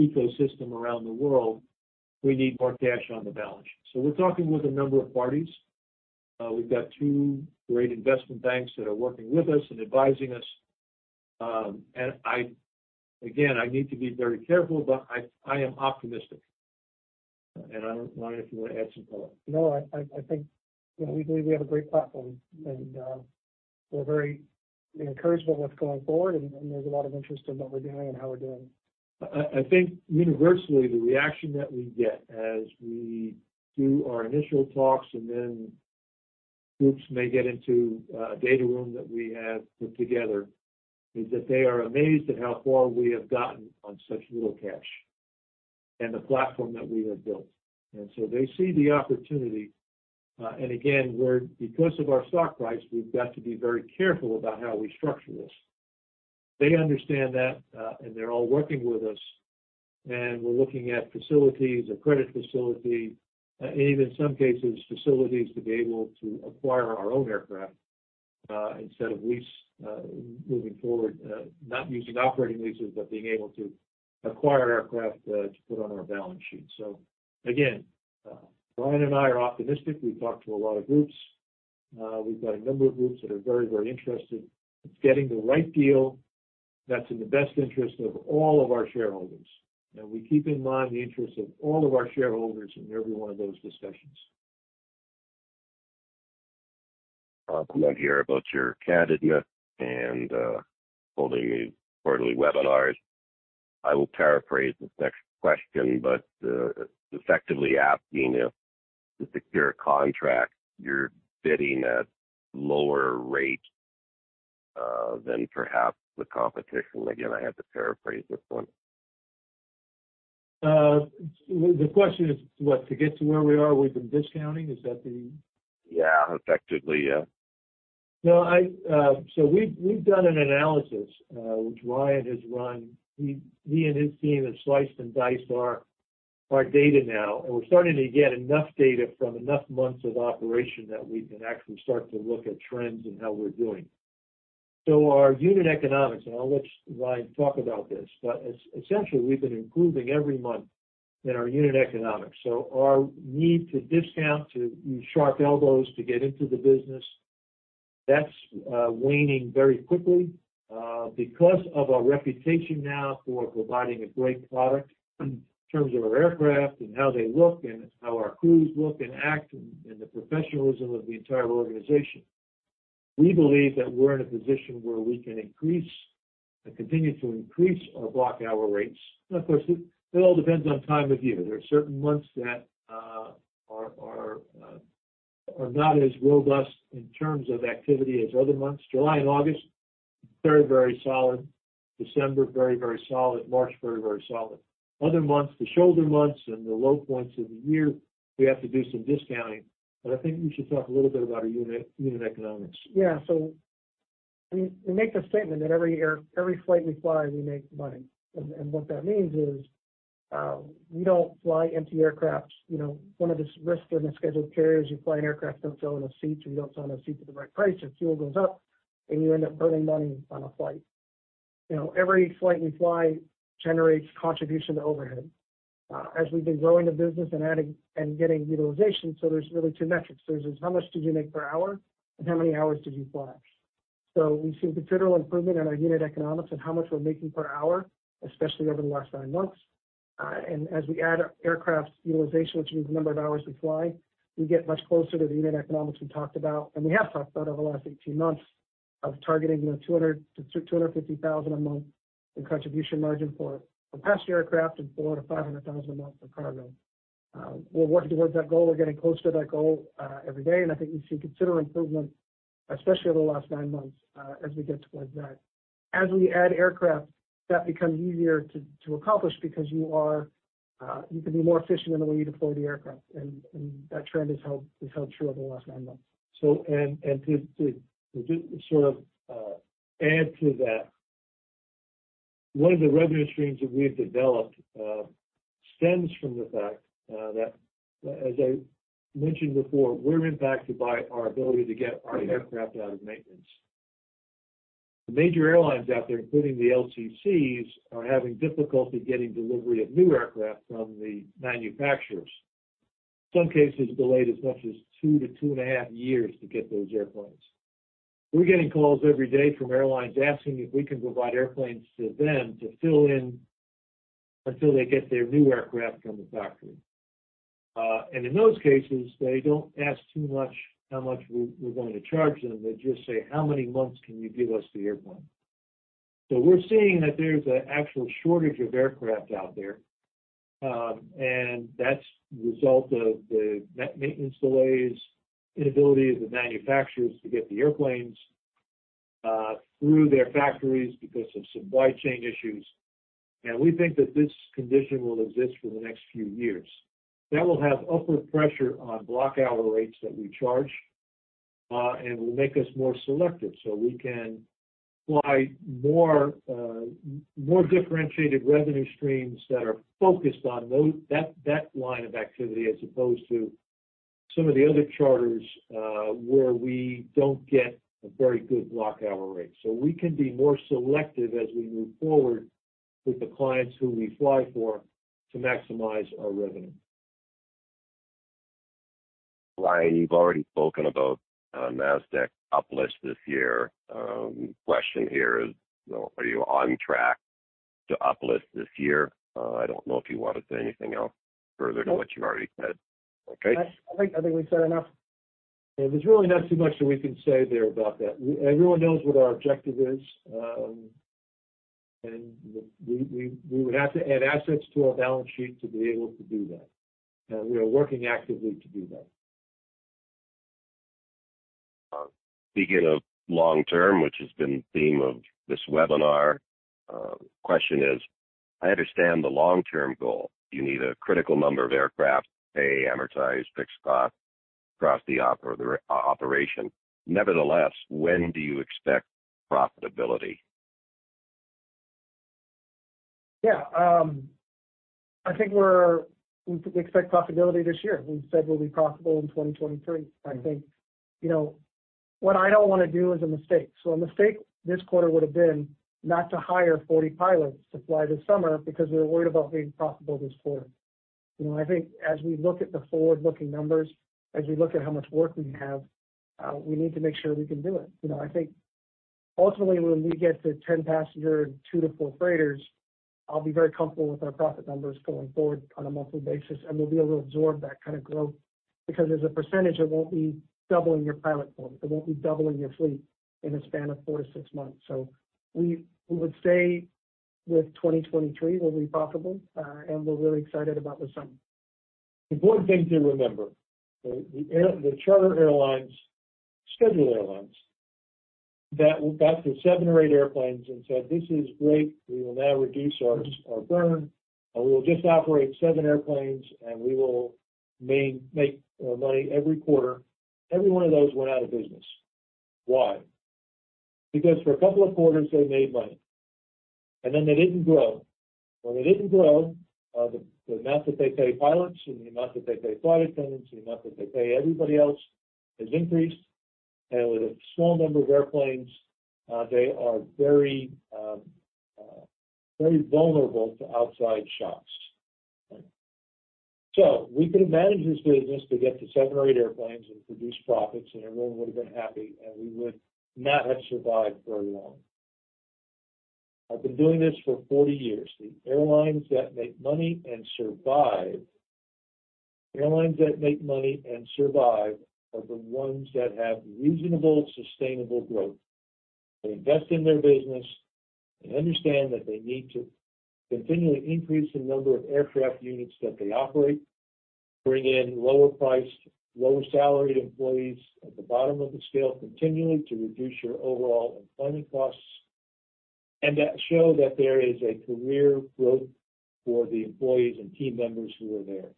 S2: ecosystem around the world, we need more cash on the balance sheet. We're talking with a number of parties. We've got two great investment banks that are working with us and advising us. Again, I need to be very careful, but I am optimistic. Ryan, if you wanna add some color.
S3: I think, you know, we believe we have a great platform and we're very encouraged by what's going forward and there's a lot of interest in what we're doing and how we're doing it.
S2: I think universally the reaction that we get as we do our initial talks and then groups may get into a data room that we have put together, is that they are amazed at how far we have gotten on such little cash and the platform that we have built. They see the opportunity. Again, because of our stock price, we've got to be very careful about how we structure this. They understand that, and they're all working with us, and we're looking at facilities, a credit facility, and even in some cases, facilities to be able to acquire our own aircraft, instead of lease, moving forward, not using operating leases, but being able to acquire aircraft, to put on our balance sheet. Again, Ryan and I are optimistic. We've talked to a lot of groups. We've got a number of groups that are very, very interested. It's getting the right deal that's in the best interest of all of our shareholders. We keep in mind the interests of all of our shareholders in every one of those discussions.
S1: A comment here about your candidness and holding these quarterly webinars. I will paraphrase this next question, but effectively asking if to secure a contract, you're bidding at lower rates than perhaps the competition. I have to paraphrase this one.
S2: The question is what? To get to where we are, we've been discounting.
S1: Yeah, effectively, yeah.
S2: No, I, we've done an analysis, which Ryan has run. He and his team have sliced and diced our data now, and we're starting to get enough data from enough months of operation that we can actually start to look at trends and how we're doing. Our unit economics, and I'll let Ryan talk about this, but essentially, we've been improving every month in our unit economics. Our need to discount, to use sharp elbows to get into the business, that's waning very quickly, because of our reputation now for providing a great product in terms of our aircraft and how they look and how our crews look and act and the professionalism of the entire organization. We believe that we're in a position where we can increase and continue to increase our block hour rates. Of course, it all depends on time of year. There are certain months that are not as robust in terms of activity as other months. July and August, very, very solid. December, very, very solid. March, very, very solid. Other months, the shoulder months and the low points of the year, we have to do some discounting. I think you should talk a little bit about our unit economics.
S3: Yeah. We, we make the statement that every flight we fly, we make money. What that means is, we don't fly empty aircraft. You know, one of the risks in the scheduled carriers, you fly an aircraft, don't sell enough seats or you don't sell enough seats at the right price, your fuel goes up, and you end up burning money on a flight. You know, every flight we fly generates contribution to overhead. As we've been growing the business and getting utilization, there's really two metrics. There's this how much did you make per hour, and how many hours did you fly? We've seen considerable improvement in our unit economics and how much we're making per hour, especially over the last nine months. As we add aircraft utilization, which means the number of hours we fly, we get much closer to the unit economics we talked about, and we have talked about over the last 18 months of targeting, you know, $200,000-$250,000 a month in contribution margin for passenger aircraft and $400,000-$500,000 a month for cargo. We're working towards that goal. We're getting closer to that goal every day, and I think we've seen considerable improvement, especially over the last nine months, as we get towards that. As we add aircraft, that becomes easier to accomplish because you can be more efficient in the way you deploy the aircraft. That trend has held true over the last nine months.
S2: To sort of add to that, one of the revenue streams that we've developed stems from the fact that as I mentioned before, we're impacted by our ability to get our aircraft out of maintenance. The major airlines out there, including the LCCs, are having difficulty getting delivery of new aircraft from the manufacturers. Some cases delayed as much as two to 2.5 years to get those airplanes. We're getting calls every day from airlines asking if we can provide airplanes to them to fill in until they get their new aircraft from the factory. In those cases, they don't ask too much how much we're going to charge them. They just say, "How many months can you give us the airplane?" We're seeing that there's an actual shortage of aircraft out there, and that's the result of the maintenance delays, inability of the manufacturers to get the airplanes through their factories because of supply chain issues. We think that this condition will exist for the next few years. That will have upward pressure on block hour rates that we charge, and will make us more selective, so we can fly more differentiated revenue streams that are focused on those that line of activity as opposed to some of the other charters, where we don't get a very good block hour rate. We can be more selective as we move forward with the clients who we fly for to maximize our revenue.
S1: Ryan, you've already spoken about Nasdaq up-list this year. Question here is, you know, are you on track to up-list this year? I don't know if you want to say anything else further to what you already said.
S3: No.
S1: Okay.
S3: I think we've said enough.
S2: There's really not too much that we can say there about that. Everyone knows what our objective is. We would have to add assets to our balance sheet to be able to do that. We are working actively to do that.
S1: Speaking of long-term, which has been the theme of this webinar, question is: I understand the long-term goal. You need a critical number of aircraft, pay, amortized, fixed cost across the operation. When do you expect profitability?
S3: I think we expect profitability this year. We've said we'll be profitable in 2023. I think, you know, what I don't wanna do is a mistake. A mistake this quarter would've been not to hire 40 pilots to fly this summer because we were worried about being profitable this quarter. You know, I think as we look at the forward-looking numbers, as we look at how much work we have, we need to make sure we can do it. You know, I think ultimately, when we get to 10 passenger and two to four freighters, I'll be very comfortable with our profit numbers going forward on a monthly basis, and we'll be able to absorb that kind of growth. Because as a percentage, it won't be doubling your pilot pool. It won't be doubling your fleet in a span of four to six months. We would say with 2023 we'll be profitable, and we're really excited about the summer.
S2: Important thing to remember, the charter airlines, scheduled airlines. That got to seven or eight airplanes and said, "This is great. We will now reduce our burn, and we will just operate seven airplanes, and we will make money every quarter." Every one of those went out of business. Why? Because for a couple of quarters, they made money, and then they didn't grow. When they didn't grow, the amount that they pay pilots and the amount that they pay flight attendants, the amount that they pay everybody else has increased. With a small number of airplanes, they are very, very vulnerable to outside shocks. We could manage this business to get to seven or eight airplanes and produce profits, and everyone would have been happy, and we would not have survived very long. I've been doing this for 40 years. The airlines that make money and survive are the ones that have reasonable, sustainable growth. They invest in their business. They understand that they need to continually increase the number of aircraft units that they operate, bring in lower-priced, lower-salaried employees at the bottom of the scale continually to reduce your overall employment costs. That show that there is a career growth for the employees and team members who are there.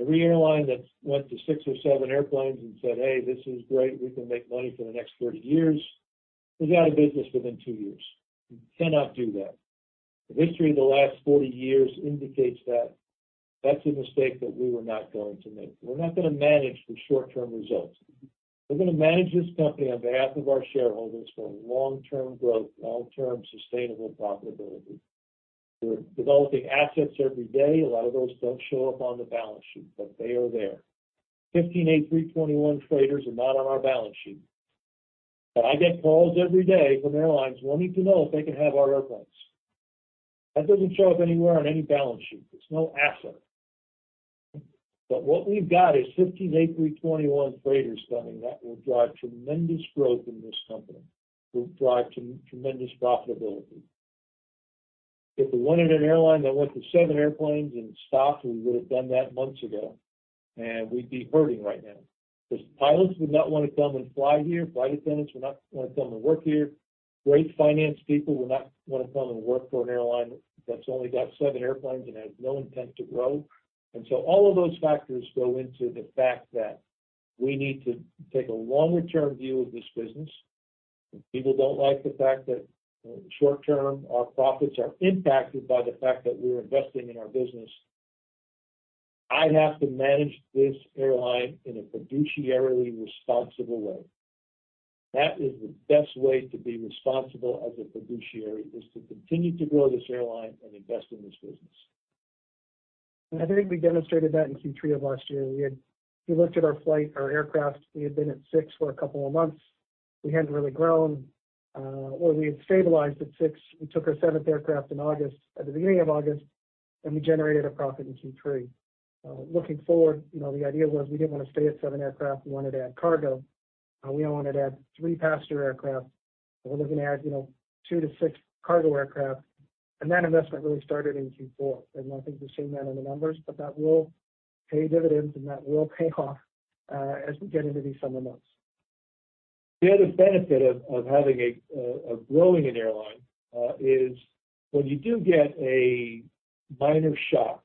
S2: Every airline that went to six or seven airplanes and said, "Hey, this is great, we can make money for the next 30 years," is out of business within two years. You cannot do that. The history of the last 40 years indicates that that's a mistake that we were not going to make. We're not gonna manage the short-term results. We're gonna manage this company on behalf of our shareholders for long-term growth, long-term sustainable profitability. We're developing assets every day. A lot of those don't show up on the balance sheet, but they are there. 15 A321 freighters are not on our balance sheet. But I get calls every day from airlines wanting to know if they can have our airplanes. That doesn't show up anywhere on any balance sheet. It's no asset. But what we've got is 15 A321 freighters coming that will drive tremendous growth in this company, will drive tremendous profitability. If we wanted an airline that went to seven airplanes and stopped, we would have done that months ago, and we'd be hurting right now. 'Cause pilots would not wanna come and fly here, flight attendants would not wanna come and work here. Great finance people would not wanna come and work for an airline that's only got seven airplanes and has no intent to grow. So all of those factors go into the fact that we need to take a longer-term view of this business. People don't like the fact that, short-term, our profits are impacted by the fact that we're investing in our business. I have to manage this airline in a fiduciarily responsible way. That is the best way to be responsible as a fiduciary, is to continue to grow this airline and invest in this business.
S3: I think we demonstrated that in Q3 of last year. We looked at our flight, our aircraft. We had been at six for a couple of months. We hadn't really grown, or we had stabilized at six. We took our seventh aircraft in August, at the beginning of August, and we generated a profit in Q3. Looking forward, you know, the idea was we didn't wanna stay at seven aircraft, we wanted to add cargo. We wanted to add three-passenger aircraft. We're looking to add, you know, two to six cargo aircraft. That investment really started in Q4. I think we've seen that in the numbers, but that will pay dividends, and that will pay off as we get into these summer months.
S2: The other benefit of growing an airline is when you do get a minor shock,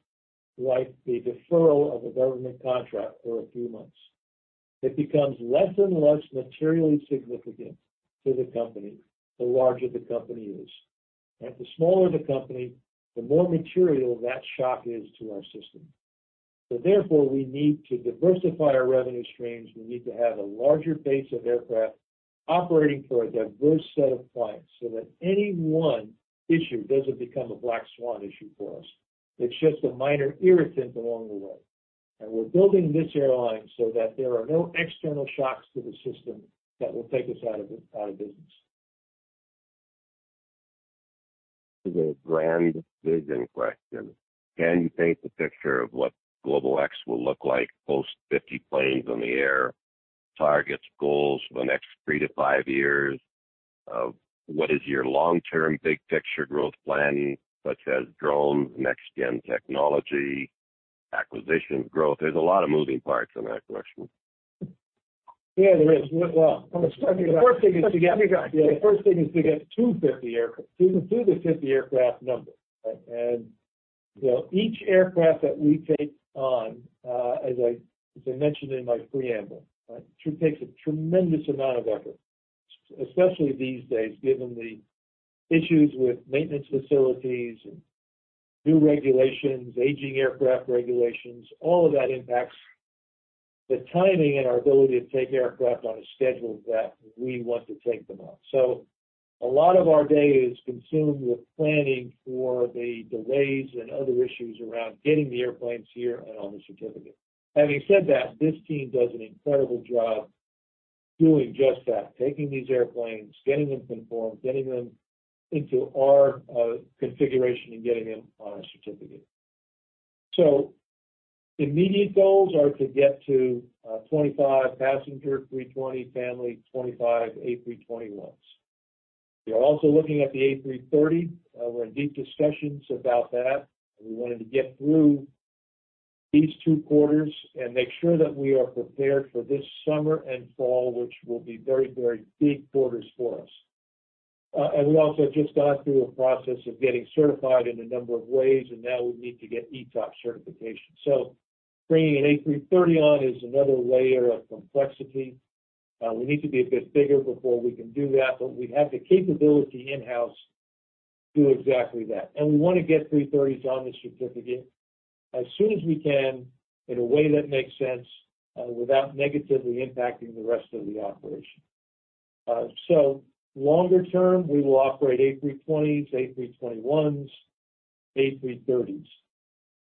S2: like the deferral of a government contract for a few months, it becomes less and less materially significant to the company, the larger the company is. Right? The smaller the company, the more material that shock is to our system. Therefore, we need to diversify our revenue streams. We need to have a larger base of aircraft operating for a diverse set of clients, so that any one issue doesn't become a black swan issue for us. It's just a minor irritant along the way. We're building this airline so that there are no external shocks to the system that will take us out of business.
S1: To the grand vision question, can you paint the picture of what GlobalX will look like post-50 planes in the air? Targets, goals for the next three to five years? What is your long-term big picture growth plan, such as drones, next-gen technology, acquisitions, growth? There's a lot of moving parts in that question.
S3: Yeah, there is. I'm gonna start here.
S2: The first thing is to get—
S3: You got it.
S2: Yeah. The first thing is to get to 50 aircraft. We can do the 50 aircraft number, right? You know, each aircraft that we take on, as I mentioned in my preamble, right, it takes a tremendous amount of effort, especially these days, given the issues with maintenance facilities and new regulations, aging aircraft regulations. All of that impacts the timing and our ability to take aircraft on a schedule that we want to take them on. A lot of our day is consumed with planning for the delays and other issues around getting the airplanes here and on the certificate. Having said that, this team does an incredible job doing just that, taking these airplanes, getting them conformed, getting them into our configuration, and getting them on a certificate. Immediate goals are to get to 25 passenger A320 family, 25 A321s. We are also looking at the A330. We're in deep discussions about that. We wanted to get through these two quarters and make sure that we are prepared for this summer and fall, which will be very, very big quarters for us. We also have just gone through a process of getting certified in a number of ways, and now we need to get ETOPS certification. Bringing an A330 on is another layer of complexity. We need to be a bit bigger before we can do that, but we have the capability in-house to do exactly that. We wanna get A330s on the certificate as soon as we can in a way that makes sense, without negatively impacting the rest of the operation. Longer term, we will operate A320s, A321s, A330s.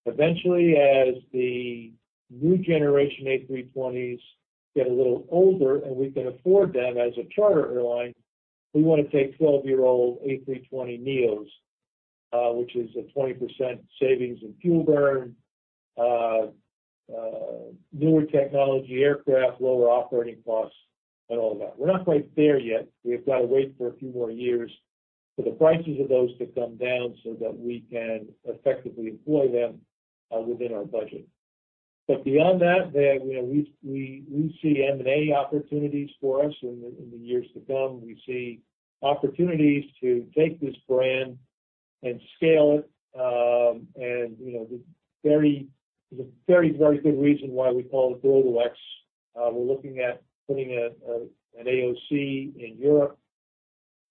S2: Eventually, as the new generation A320s get a little older, and we can afford them as a charter airline, we wanna take 12-year-old A320neos, which is a 20% savings in fuel burn, newer technology aircraft, lower operating costs and all that. We're not quite there yet. We've gotta wait for a few more years for the prices of those to come down so that we can effectively employ them within our budget. Beyond that, we see M&A opportunities for us in the years to come. We see opportunities to take this brand and scale it, and, you know, there's a very good reason why we call it GlobalX. We're looking at putting an AOC in Europe.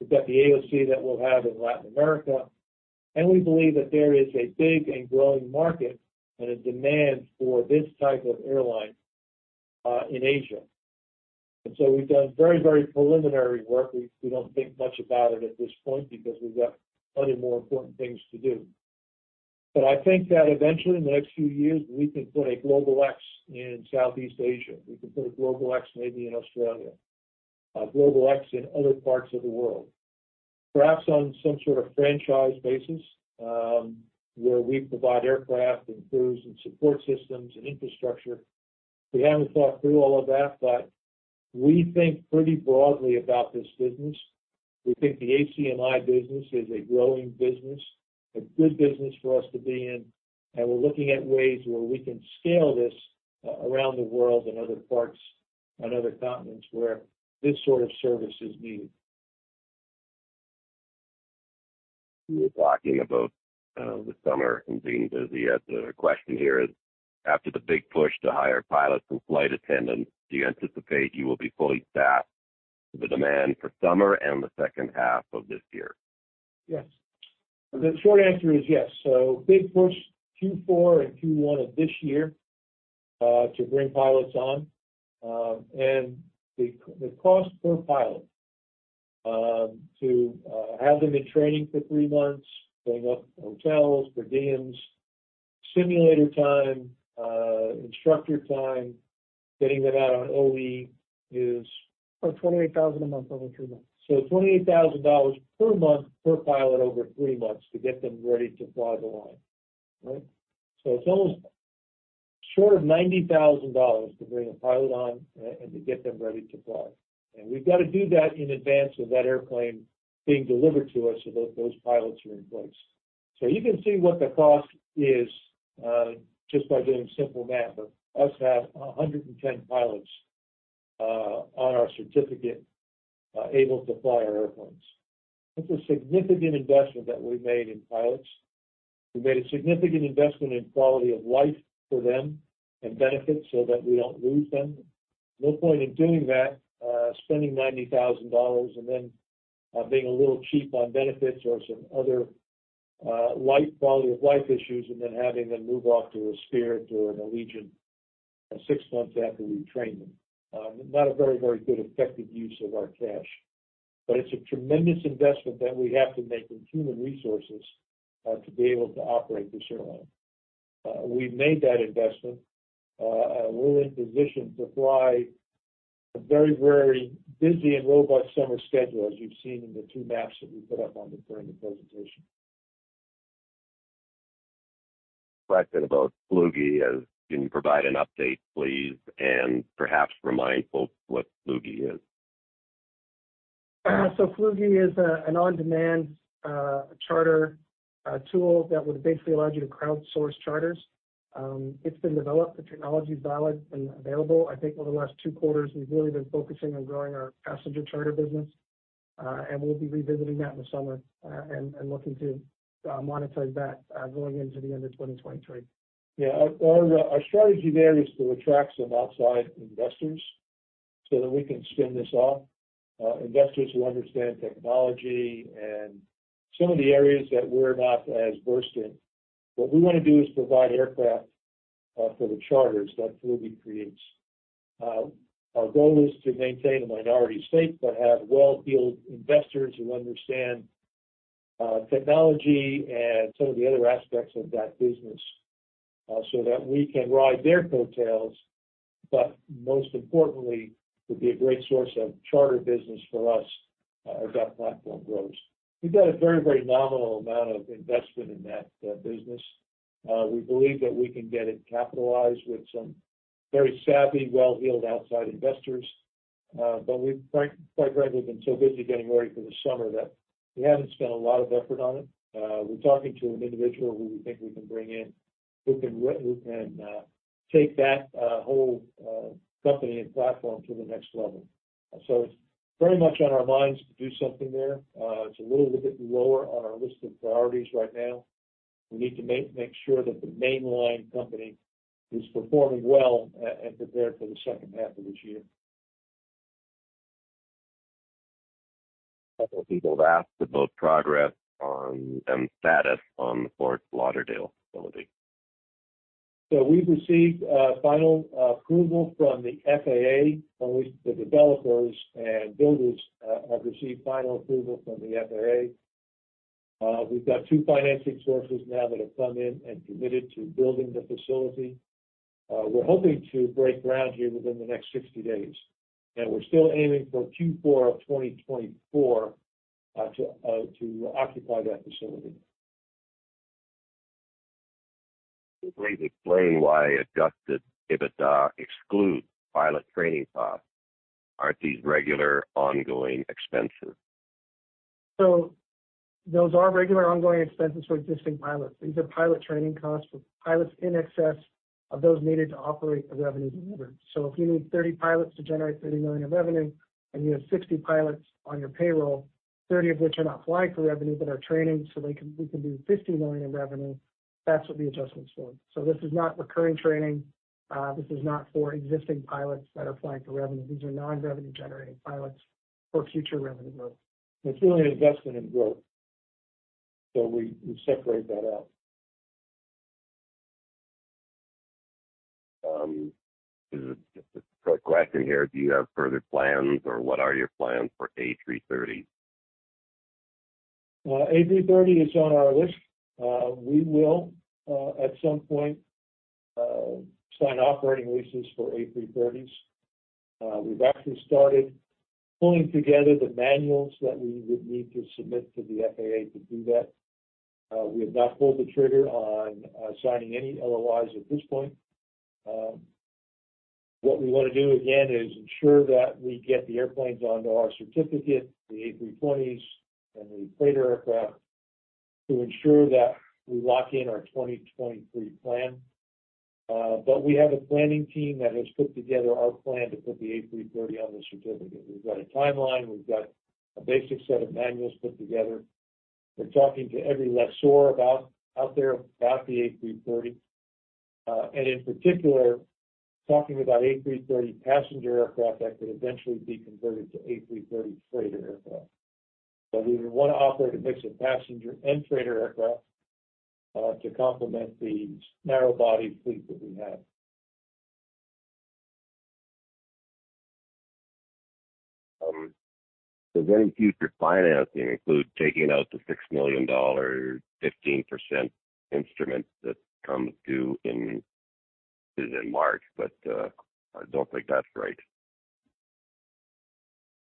S2: We've got the AOC that we'll have in Latin America. We believe that there is a big and growing market and a demand for this type of airline in Asia. We've done very, very preliminary work. We don't think much about it at this point because we've got plenty more important things to do. I think that eventually, in the next few years, we can put a GlobalX in Southeast Asia. We can put a GlobalX maybe in Australia, a GlobalX in other parts of the world. Perhaps on some sort of franchise basis, where we provide aircraft and crews and support systems and infrastructure. We haven't thought through all of that, but we think pretty broadly about this business. We think the ACMI business is a growing business, a good business for us to be in. We're looking at ways where we can scale this around the world in other parts and other continents where this sort of service is needed.
S1: You were talking about the summer and being busy. The question here is, after the big push to hire pilots and flight attendants, do you anticipate you will be fully staffed for the demand for summer and the second half of this year?
S2: Yes. The short answer is yes. Big push Q4 and Q1 of this year, to bring pilots on. The cost per pilot, to have them in training for three months, paying for hotels, per diems, simulator time, instructor time, getting them out on OE is...
S3: $28,000 a month over 3 months.
S2: ...$28,000 per month per pilot over three months to get them ready to fly the line. Right? It's almost short of $90,000 to bring a pilot on and to get them ready to fly. We've gotta do that in advance of that airplane being delivered to us so that those pilots are in place. You can see what the cost is, just by doing simple math of us to have 110 pilots, on our certificate, able to fly our airplanes. It's a significant investment that we've made in pilots. We've made a significant investment in quality of life for them and benefits so that we don't lose them. No point in doing that, spending $90,000 and then, being a little cheap on benefits or some other quality-of-life issues and then having them move off to a Spirit or an Allegiant, six months after we train them. Not a very, very good effective use of our cash. It's a tremendous investment that we have to make in human resources to be able to operate this airline. We've made that investment. We're in position to fly a very, very busy and robust summer schedule, as you've seen in the two maps that we put up during the presentation.
S1: Question about Flugy, as can you provide an update, please, and perhaps remind folks what Flugy is?
S3: Flugy is an on-demand charter tool that would basically allow you to crowdsource charters. It's been developed. The technology is valid and available. I think over the last two quarters, we've really been focusing on growing our passenger charter business, and we'll be revisiting that in the summer, and looking to monetize that going into the end of 2023.
S2: Our strategy there is to attract some outside investors so that we can spin this off. Investors who understand technology and some of the areas that we're not as versed in. What we wanna do is provide aircraft for the charters that Flugy creates. Our goal is to maintain a minority stake but have well-heeled investors who understand technology and some of the other aspects of that business so that we can ride their coattails, but most importantly, would be a great source of charter business for us as that platform grows. We've got a very nominal amount of investment in that business. We believe that we can get it capitalized with some very savvy, well-heeled outside investors. We've quite frankly been so busy getting ready for the summer that we haven't spent a lot of effort on it. We're talking to an individual who we think we can bring in who can take that whole company and platform to the next level. It's very much on our minds to do something there. It's a little bit lower on our list of priorities right now. We need to make sure that the mainline company is performing well and prepared for the second half of this year.
S1: A couple people have asked about progress on and status on the Fort Lauderdale facility.
S2: We've received final approval from the FAA, or at least the developers and builders have received final approval from the FAA. We're got two financing sources now that have come in and committed to building the facility. We're hoping to break ground here within the next 60 days, and we're still aiming for Q4 of 2024 to occupy that facility.
S1: Please explain why adjusted EBITDA excludes pilot training costs. Aren't these regular ongoing expenses?
S3: Those are regular ongoing expenses for existing pilots. These are pilot training costs for pilots in excess of those needed to operate the revenues delivered. If you need 30 pilots to generate $30 million of revenue and you have 60 pilots on your payroll, 30 of which are not flying for revenue but are training, so we can do $50 million in revenue, that's what the adjustment's for. This is not recurring training. This is not for existing pilots that are flying for revenue. These are non-revenue generating pilots for future revenue growth.
S2: It's really an investment in growth. We separate that out.
S1: There's just a quick question here. Do you have further plans or what are your plans for A330?
S2: A330 is on our list. We will at some point sign operating leases for A330s. We've actually started pulling together the manuals that we would need to submit to the FAA to do that. We have not pulled the trigger on signing any LOIs at this point. What we want to do, again, is ensure that we get the airplanes onto our certificate, the A320s and the freighter aircraft, to ensure that we lock in our 2023 plan. But we have a planning team that has put together our plan to put the A330 on the certificate. We've got a timeline. We've got a basic set of manuals put together. We're talking to every lessor out there about the A330, and in particular, talking about A330 passenger aircraft that could eventually be converted to A330 freighter aircraft. We would wanna operate a mix of passenger and freighter aircraft to complement the narrow body fleet that we have.
S1: Does any future financing include taking out the $6 million 15% instrument that comes due is it in March? I don't think that's right.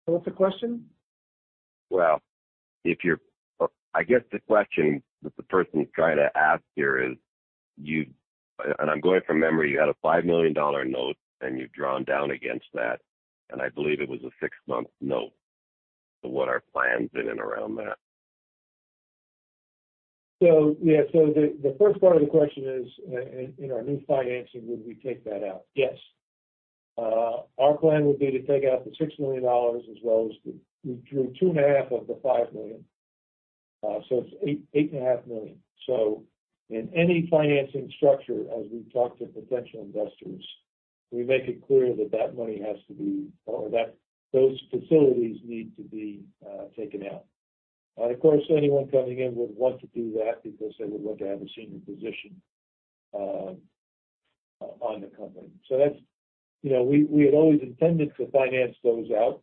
S3: What's the question?
S1: Well, if you're I guess the question that the person's trying to ask here is, you and I'm going from memory. You had a $5 million note, and you've drawn down against that, and I believe it was a 6-month note. What are plans in and around that?
S2: Yeah. The first part of the question is, in our new financing, would we take that out? Yes. Our plan would be to take out the $6 million as well as we drew $2.5 million of the $5 million. It's $8.5 million. In any financing structure, as we talk to potential investors, we make it clear that that money has to be, or that those facilities need to be, taken out. Of course, anyone coming in would want to do that because they would want to have a senior position on the company. That's. You know, we had always intended to finance those out.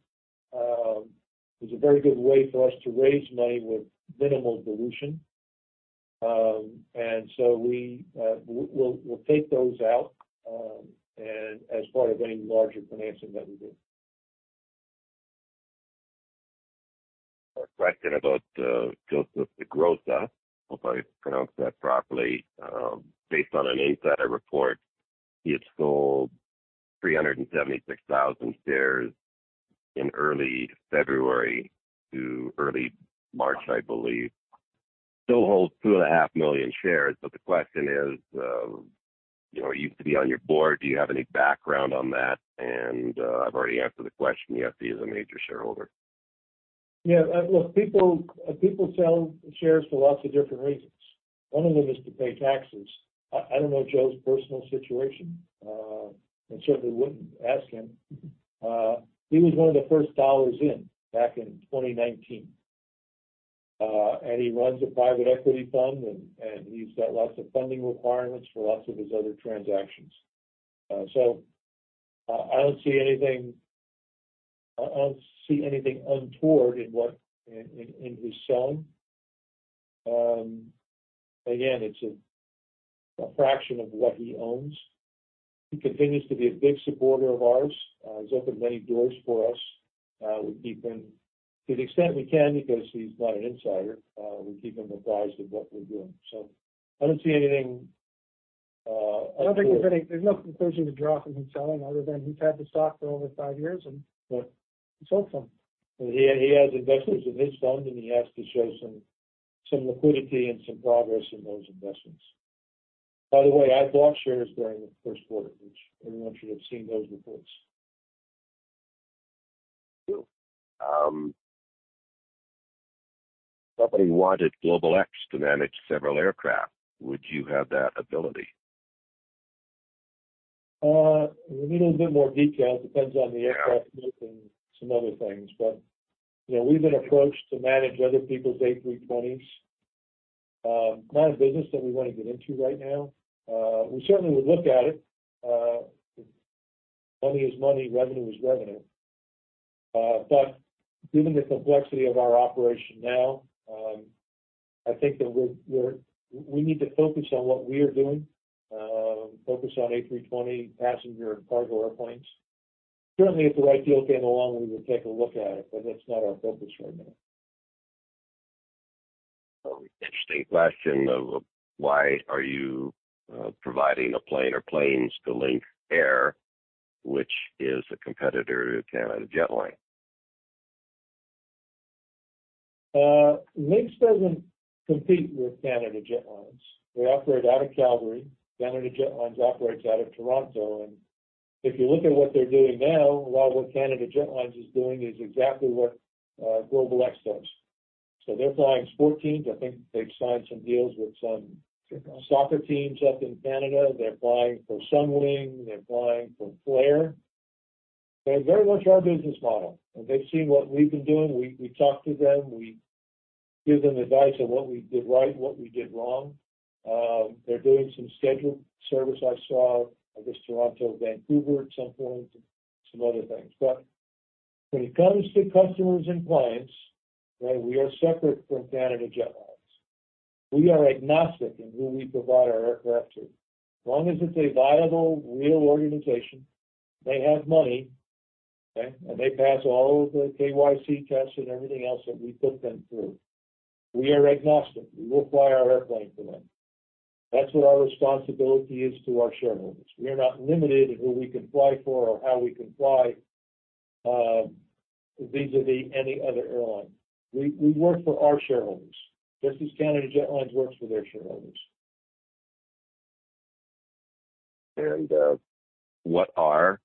S2: It's a very good way for us to raise money with minimal dilution. We'll take those out, and as part of any larger financing that we do.
S1: A question about Joseph DaGrosa. Hope I pronounced that properly. Based on an insider report, he had sold 376,000 shares in early February to early March, I believe. Still holds 2.5 million shares. The question is, you know, he used to be on your board. Do you have any background on that? I've already answered the question. Yes, he is a major shareholder.
S2: Yeah. Look, people sell shares for lots of different reasons. One of them is to pay taxes. I don't know Joe's personal situation, and certainly wouldn't ask him. He was one of the first dollars in back in 2019. He runs a private equity fund, and he's got lots of funding requirements for lots of his other transactions. I don't see anything. I don't see anything untoward in his selling. Again, it's a fraction of what he owns. He continues to be a big supporter of ours. He's opened many doors for us. We keep him to the extent we can because he's not an insider. We keep him apprised of what we're doing. I don't see anything undue.
S3: I don't think there's no conclusion to draw from him selling other than he's had the stock for over five years, and he sold some.
S2: He has investors in his fund, and he has to show some liquidity and some progress in those investments. By the way, I bought shares during the first quarter, which everyone should have seen those reports.
S3: True.
S1: Somebody wanted GlobalX to manage several aircraft. Would you have that ability?
S2: We need a bit more detail. It depends on the aircraft make and some other things. You know, we've been approached to manage other people's A320s. Not a business that we wanna get into right now. We certainly would look at it. Money is money, revenue is revenue. Given the complexity of our operation now, I think that we need to focus on what we are doing, focus on A320 passenger and cargo airplanes. If the right deal came along, we would take a look at it, but that's not our focus right now.
S1: Interesting question of why are you providing a plane or planes to Lynx Air, which is a competitor to Canada Jetlines?
S2: Lynx doesn't compete with Canada Jetlines. They operate out of Calgary. Canada Jetlines operates out of Toronto. If you look at what they're doing now, a lot of what Canada Jetlines is doing is exactly what GlobalX does. They're flying sports teams. I think they've signed some deals with soccer teams up in Canada. They're flying for Sunwing, they're flying for Flair. They're very much our business model, and they've seen what we've been doing. We talk to them. We give them advice on what we did right and what we did wrong. They're doing some scheduled service I saw, I guess, Toronto, Vancouver at some point, and some other things. When it comes to customers and clients, right, we are separate from Canada Jetlines. We are agnostic in who we provide our aircraft to. As long as it's a viable, real organization, they have money, okay? And they pass all of the KYC tests and everything else that we put them through, we are agnostic. We will fly our airplane for them. That's what our responsibility is to our shareholders. We are not limited in who we can fly for or how we can fly, vis-a-vis any other airline. We work for our shareholders, just as Canada Jetlines works for their shareholders.
S1: What are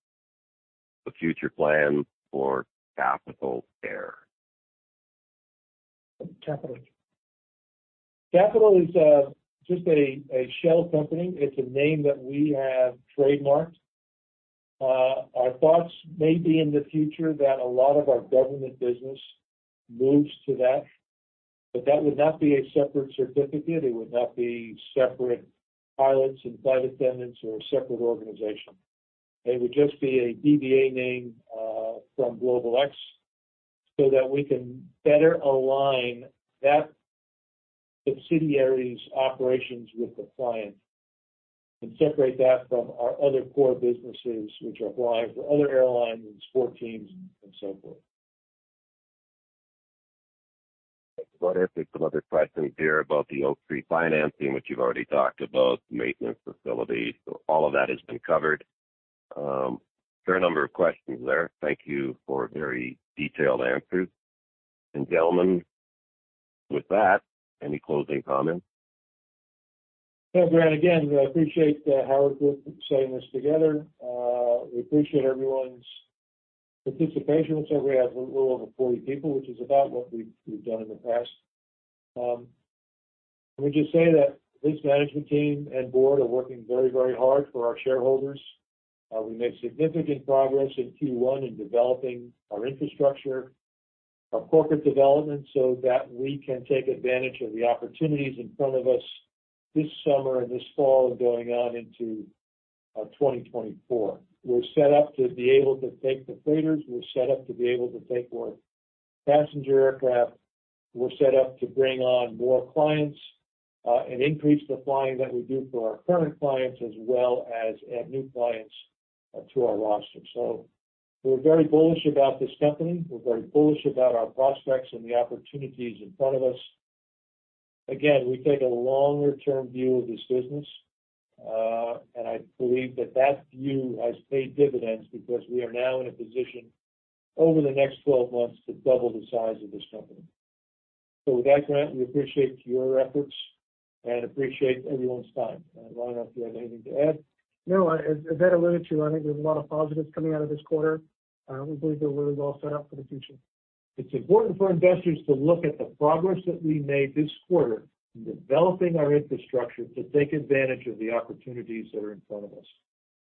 S1: the future plans for Capital Air?
S2: Capital is just a shell company. It's a name that we have trademarked. Our thoughts may be in the future that a lot of our government business moves to that, but that would not be a separate certificate. It would not be separate pilots and flight attendants or a separate organization. It would just be a DBA name from GlobalX so that we can better align that subsidiary's operations with the client and separate that from our other core businesses, which are flying for other airlines, sports teams, and so forth.
S1: That's about it. There's some other questions here about the Oaktree financing, which you've already talked about, maintenance facilities. All of that has been covered. Fair number of questions there. Thank you for very detailed answers. Gentlemen, with that, any closing comments?
S2: Well, Grant, again, I appreciate how we're saying this together. We appreciate everyone's participation. Looks like we have a little over 40 people, which is about what we've done in the past. Let me just say that this management team and board are working very, very hard for our shareholders. We made significant progress in Q1 in developing our infrastructure, our corporate development, so that we can take advantage of the opportunities in front of us this summer and this fall and going on into 2024. We're set up to be able to take the freighters. We're set up to be able to take more passenger aircraft. We're set up to bring on more clients, and increase the flying that we do for our current clients as well as add new clients, to our roster. We're very bullish about this company. We're very bullish about our prospects and the opportunities in front of us. Again, we take a longer term view of this business, I believe that that view has paid dividends because we are now in a position over the next 12 months to double the size of this company. With that, Grant, we appreciate your efforts and appreciate everyone's time. Ryan, if you have anything to add.
S3: No. As Ed alluded to, I think there's a lot of positives coming out of this quarter. We believe that we're well set up for the future.
S2: It's important for investors to look at the progress that we made this quarter in developing our infrastructure to take advantage of the opportunities that are in front of us.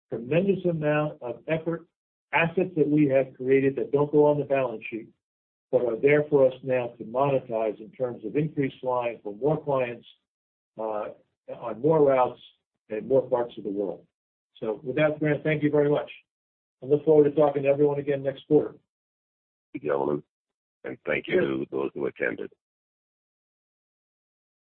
S2: Tremendous amount of effort, assets that we have created that don't go on the balance sheet, but are there for us now to monetize in terms of increased flying for more clients, on more routes and more parts of the world. With that, Grant, thank you very much. I look forward to talking to everyone again next quarter.
S1: Thank you, gentlemen, and thank you to those who attended.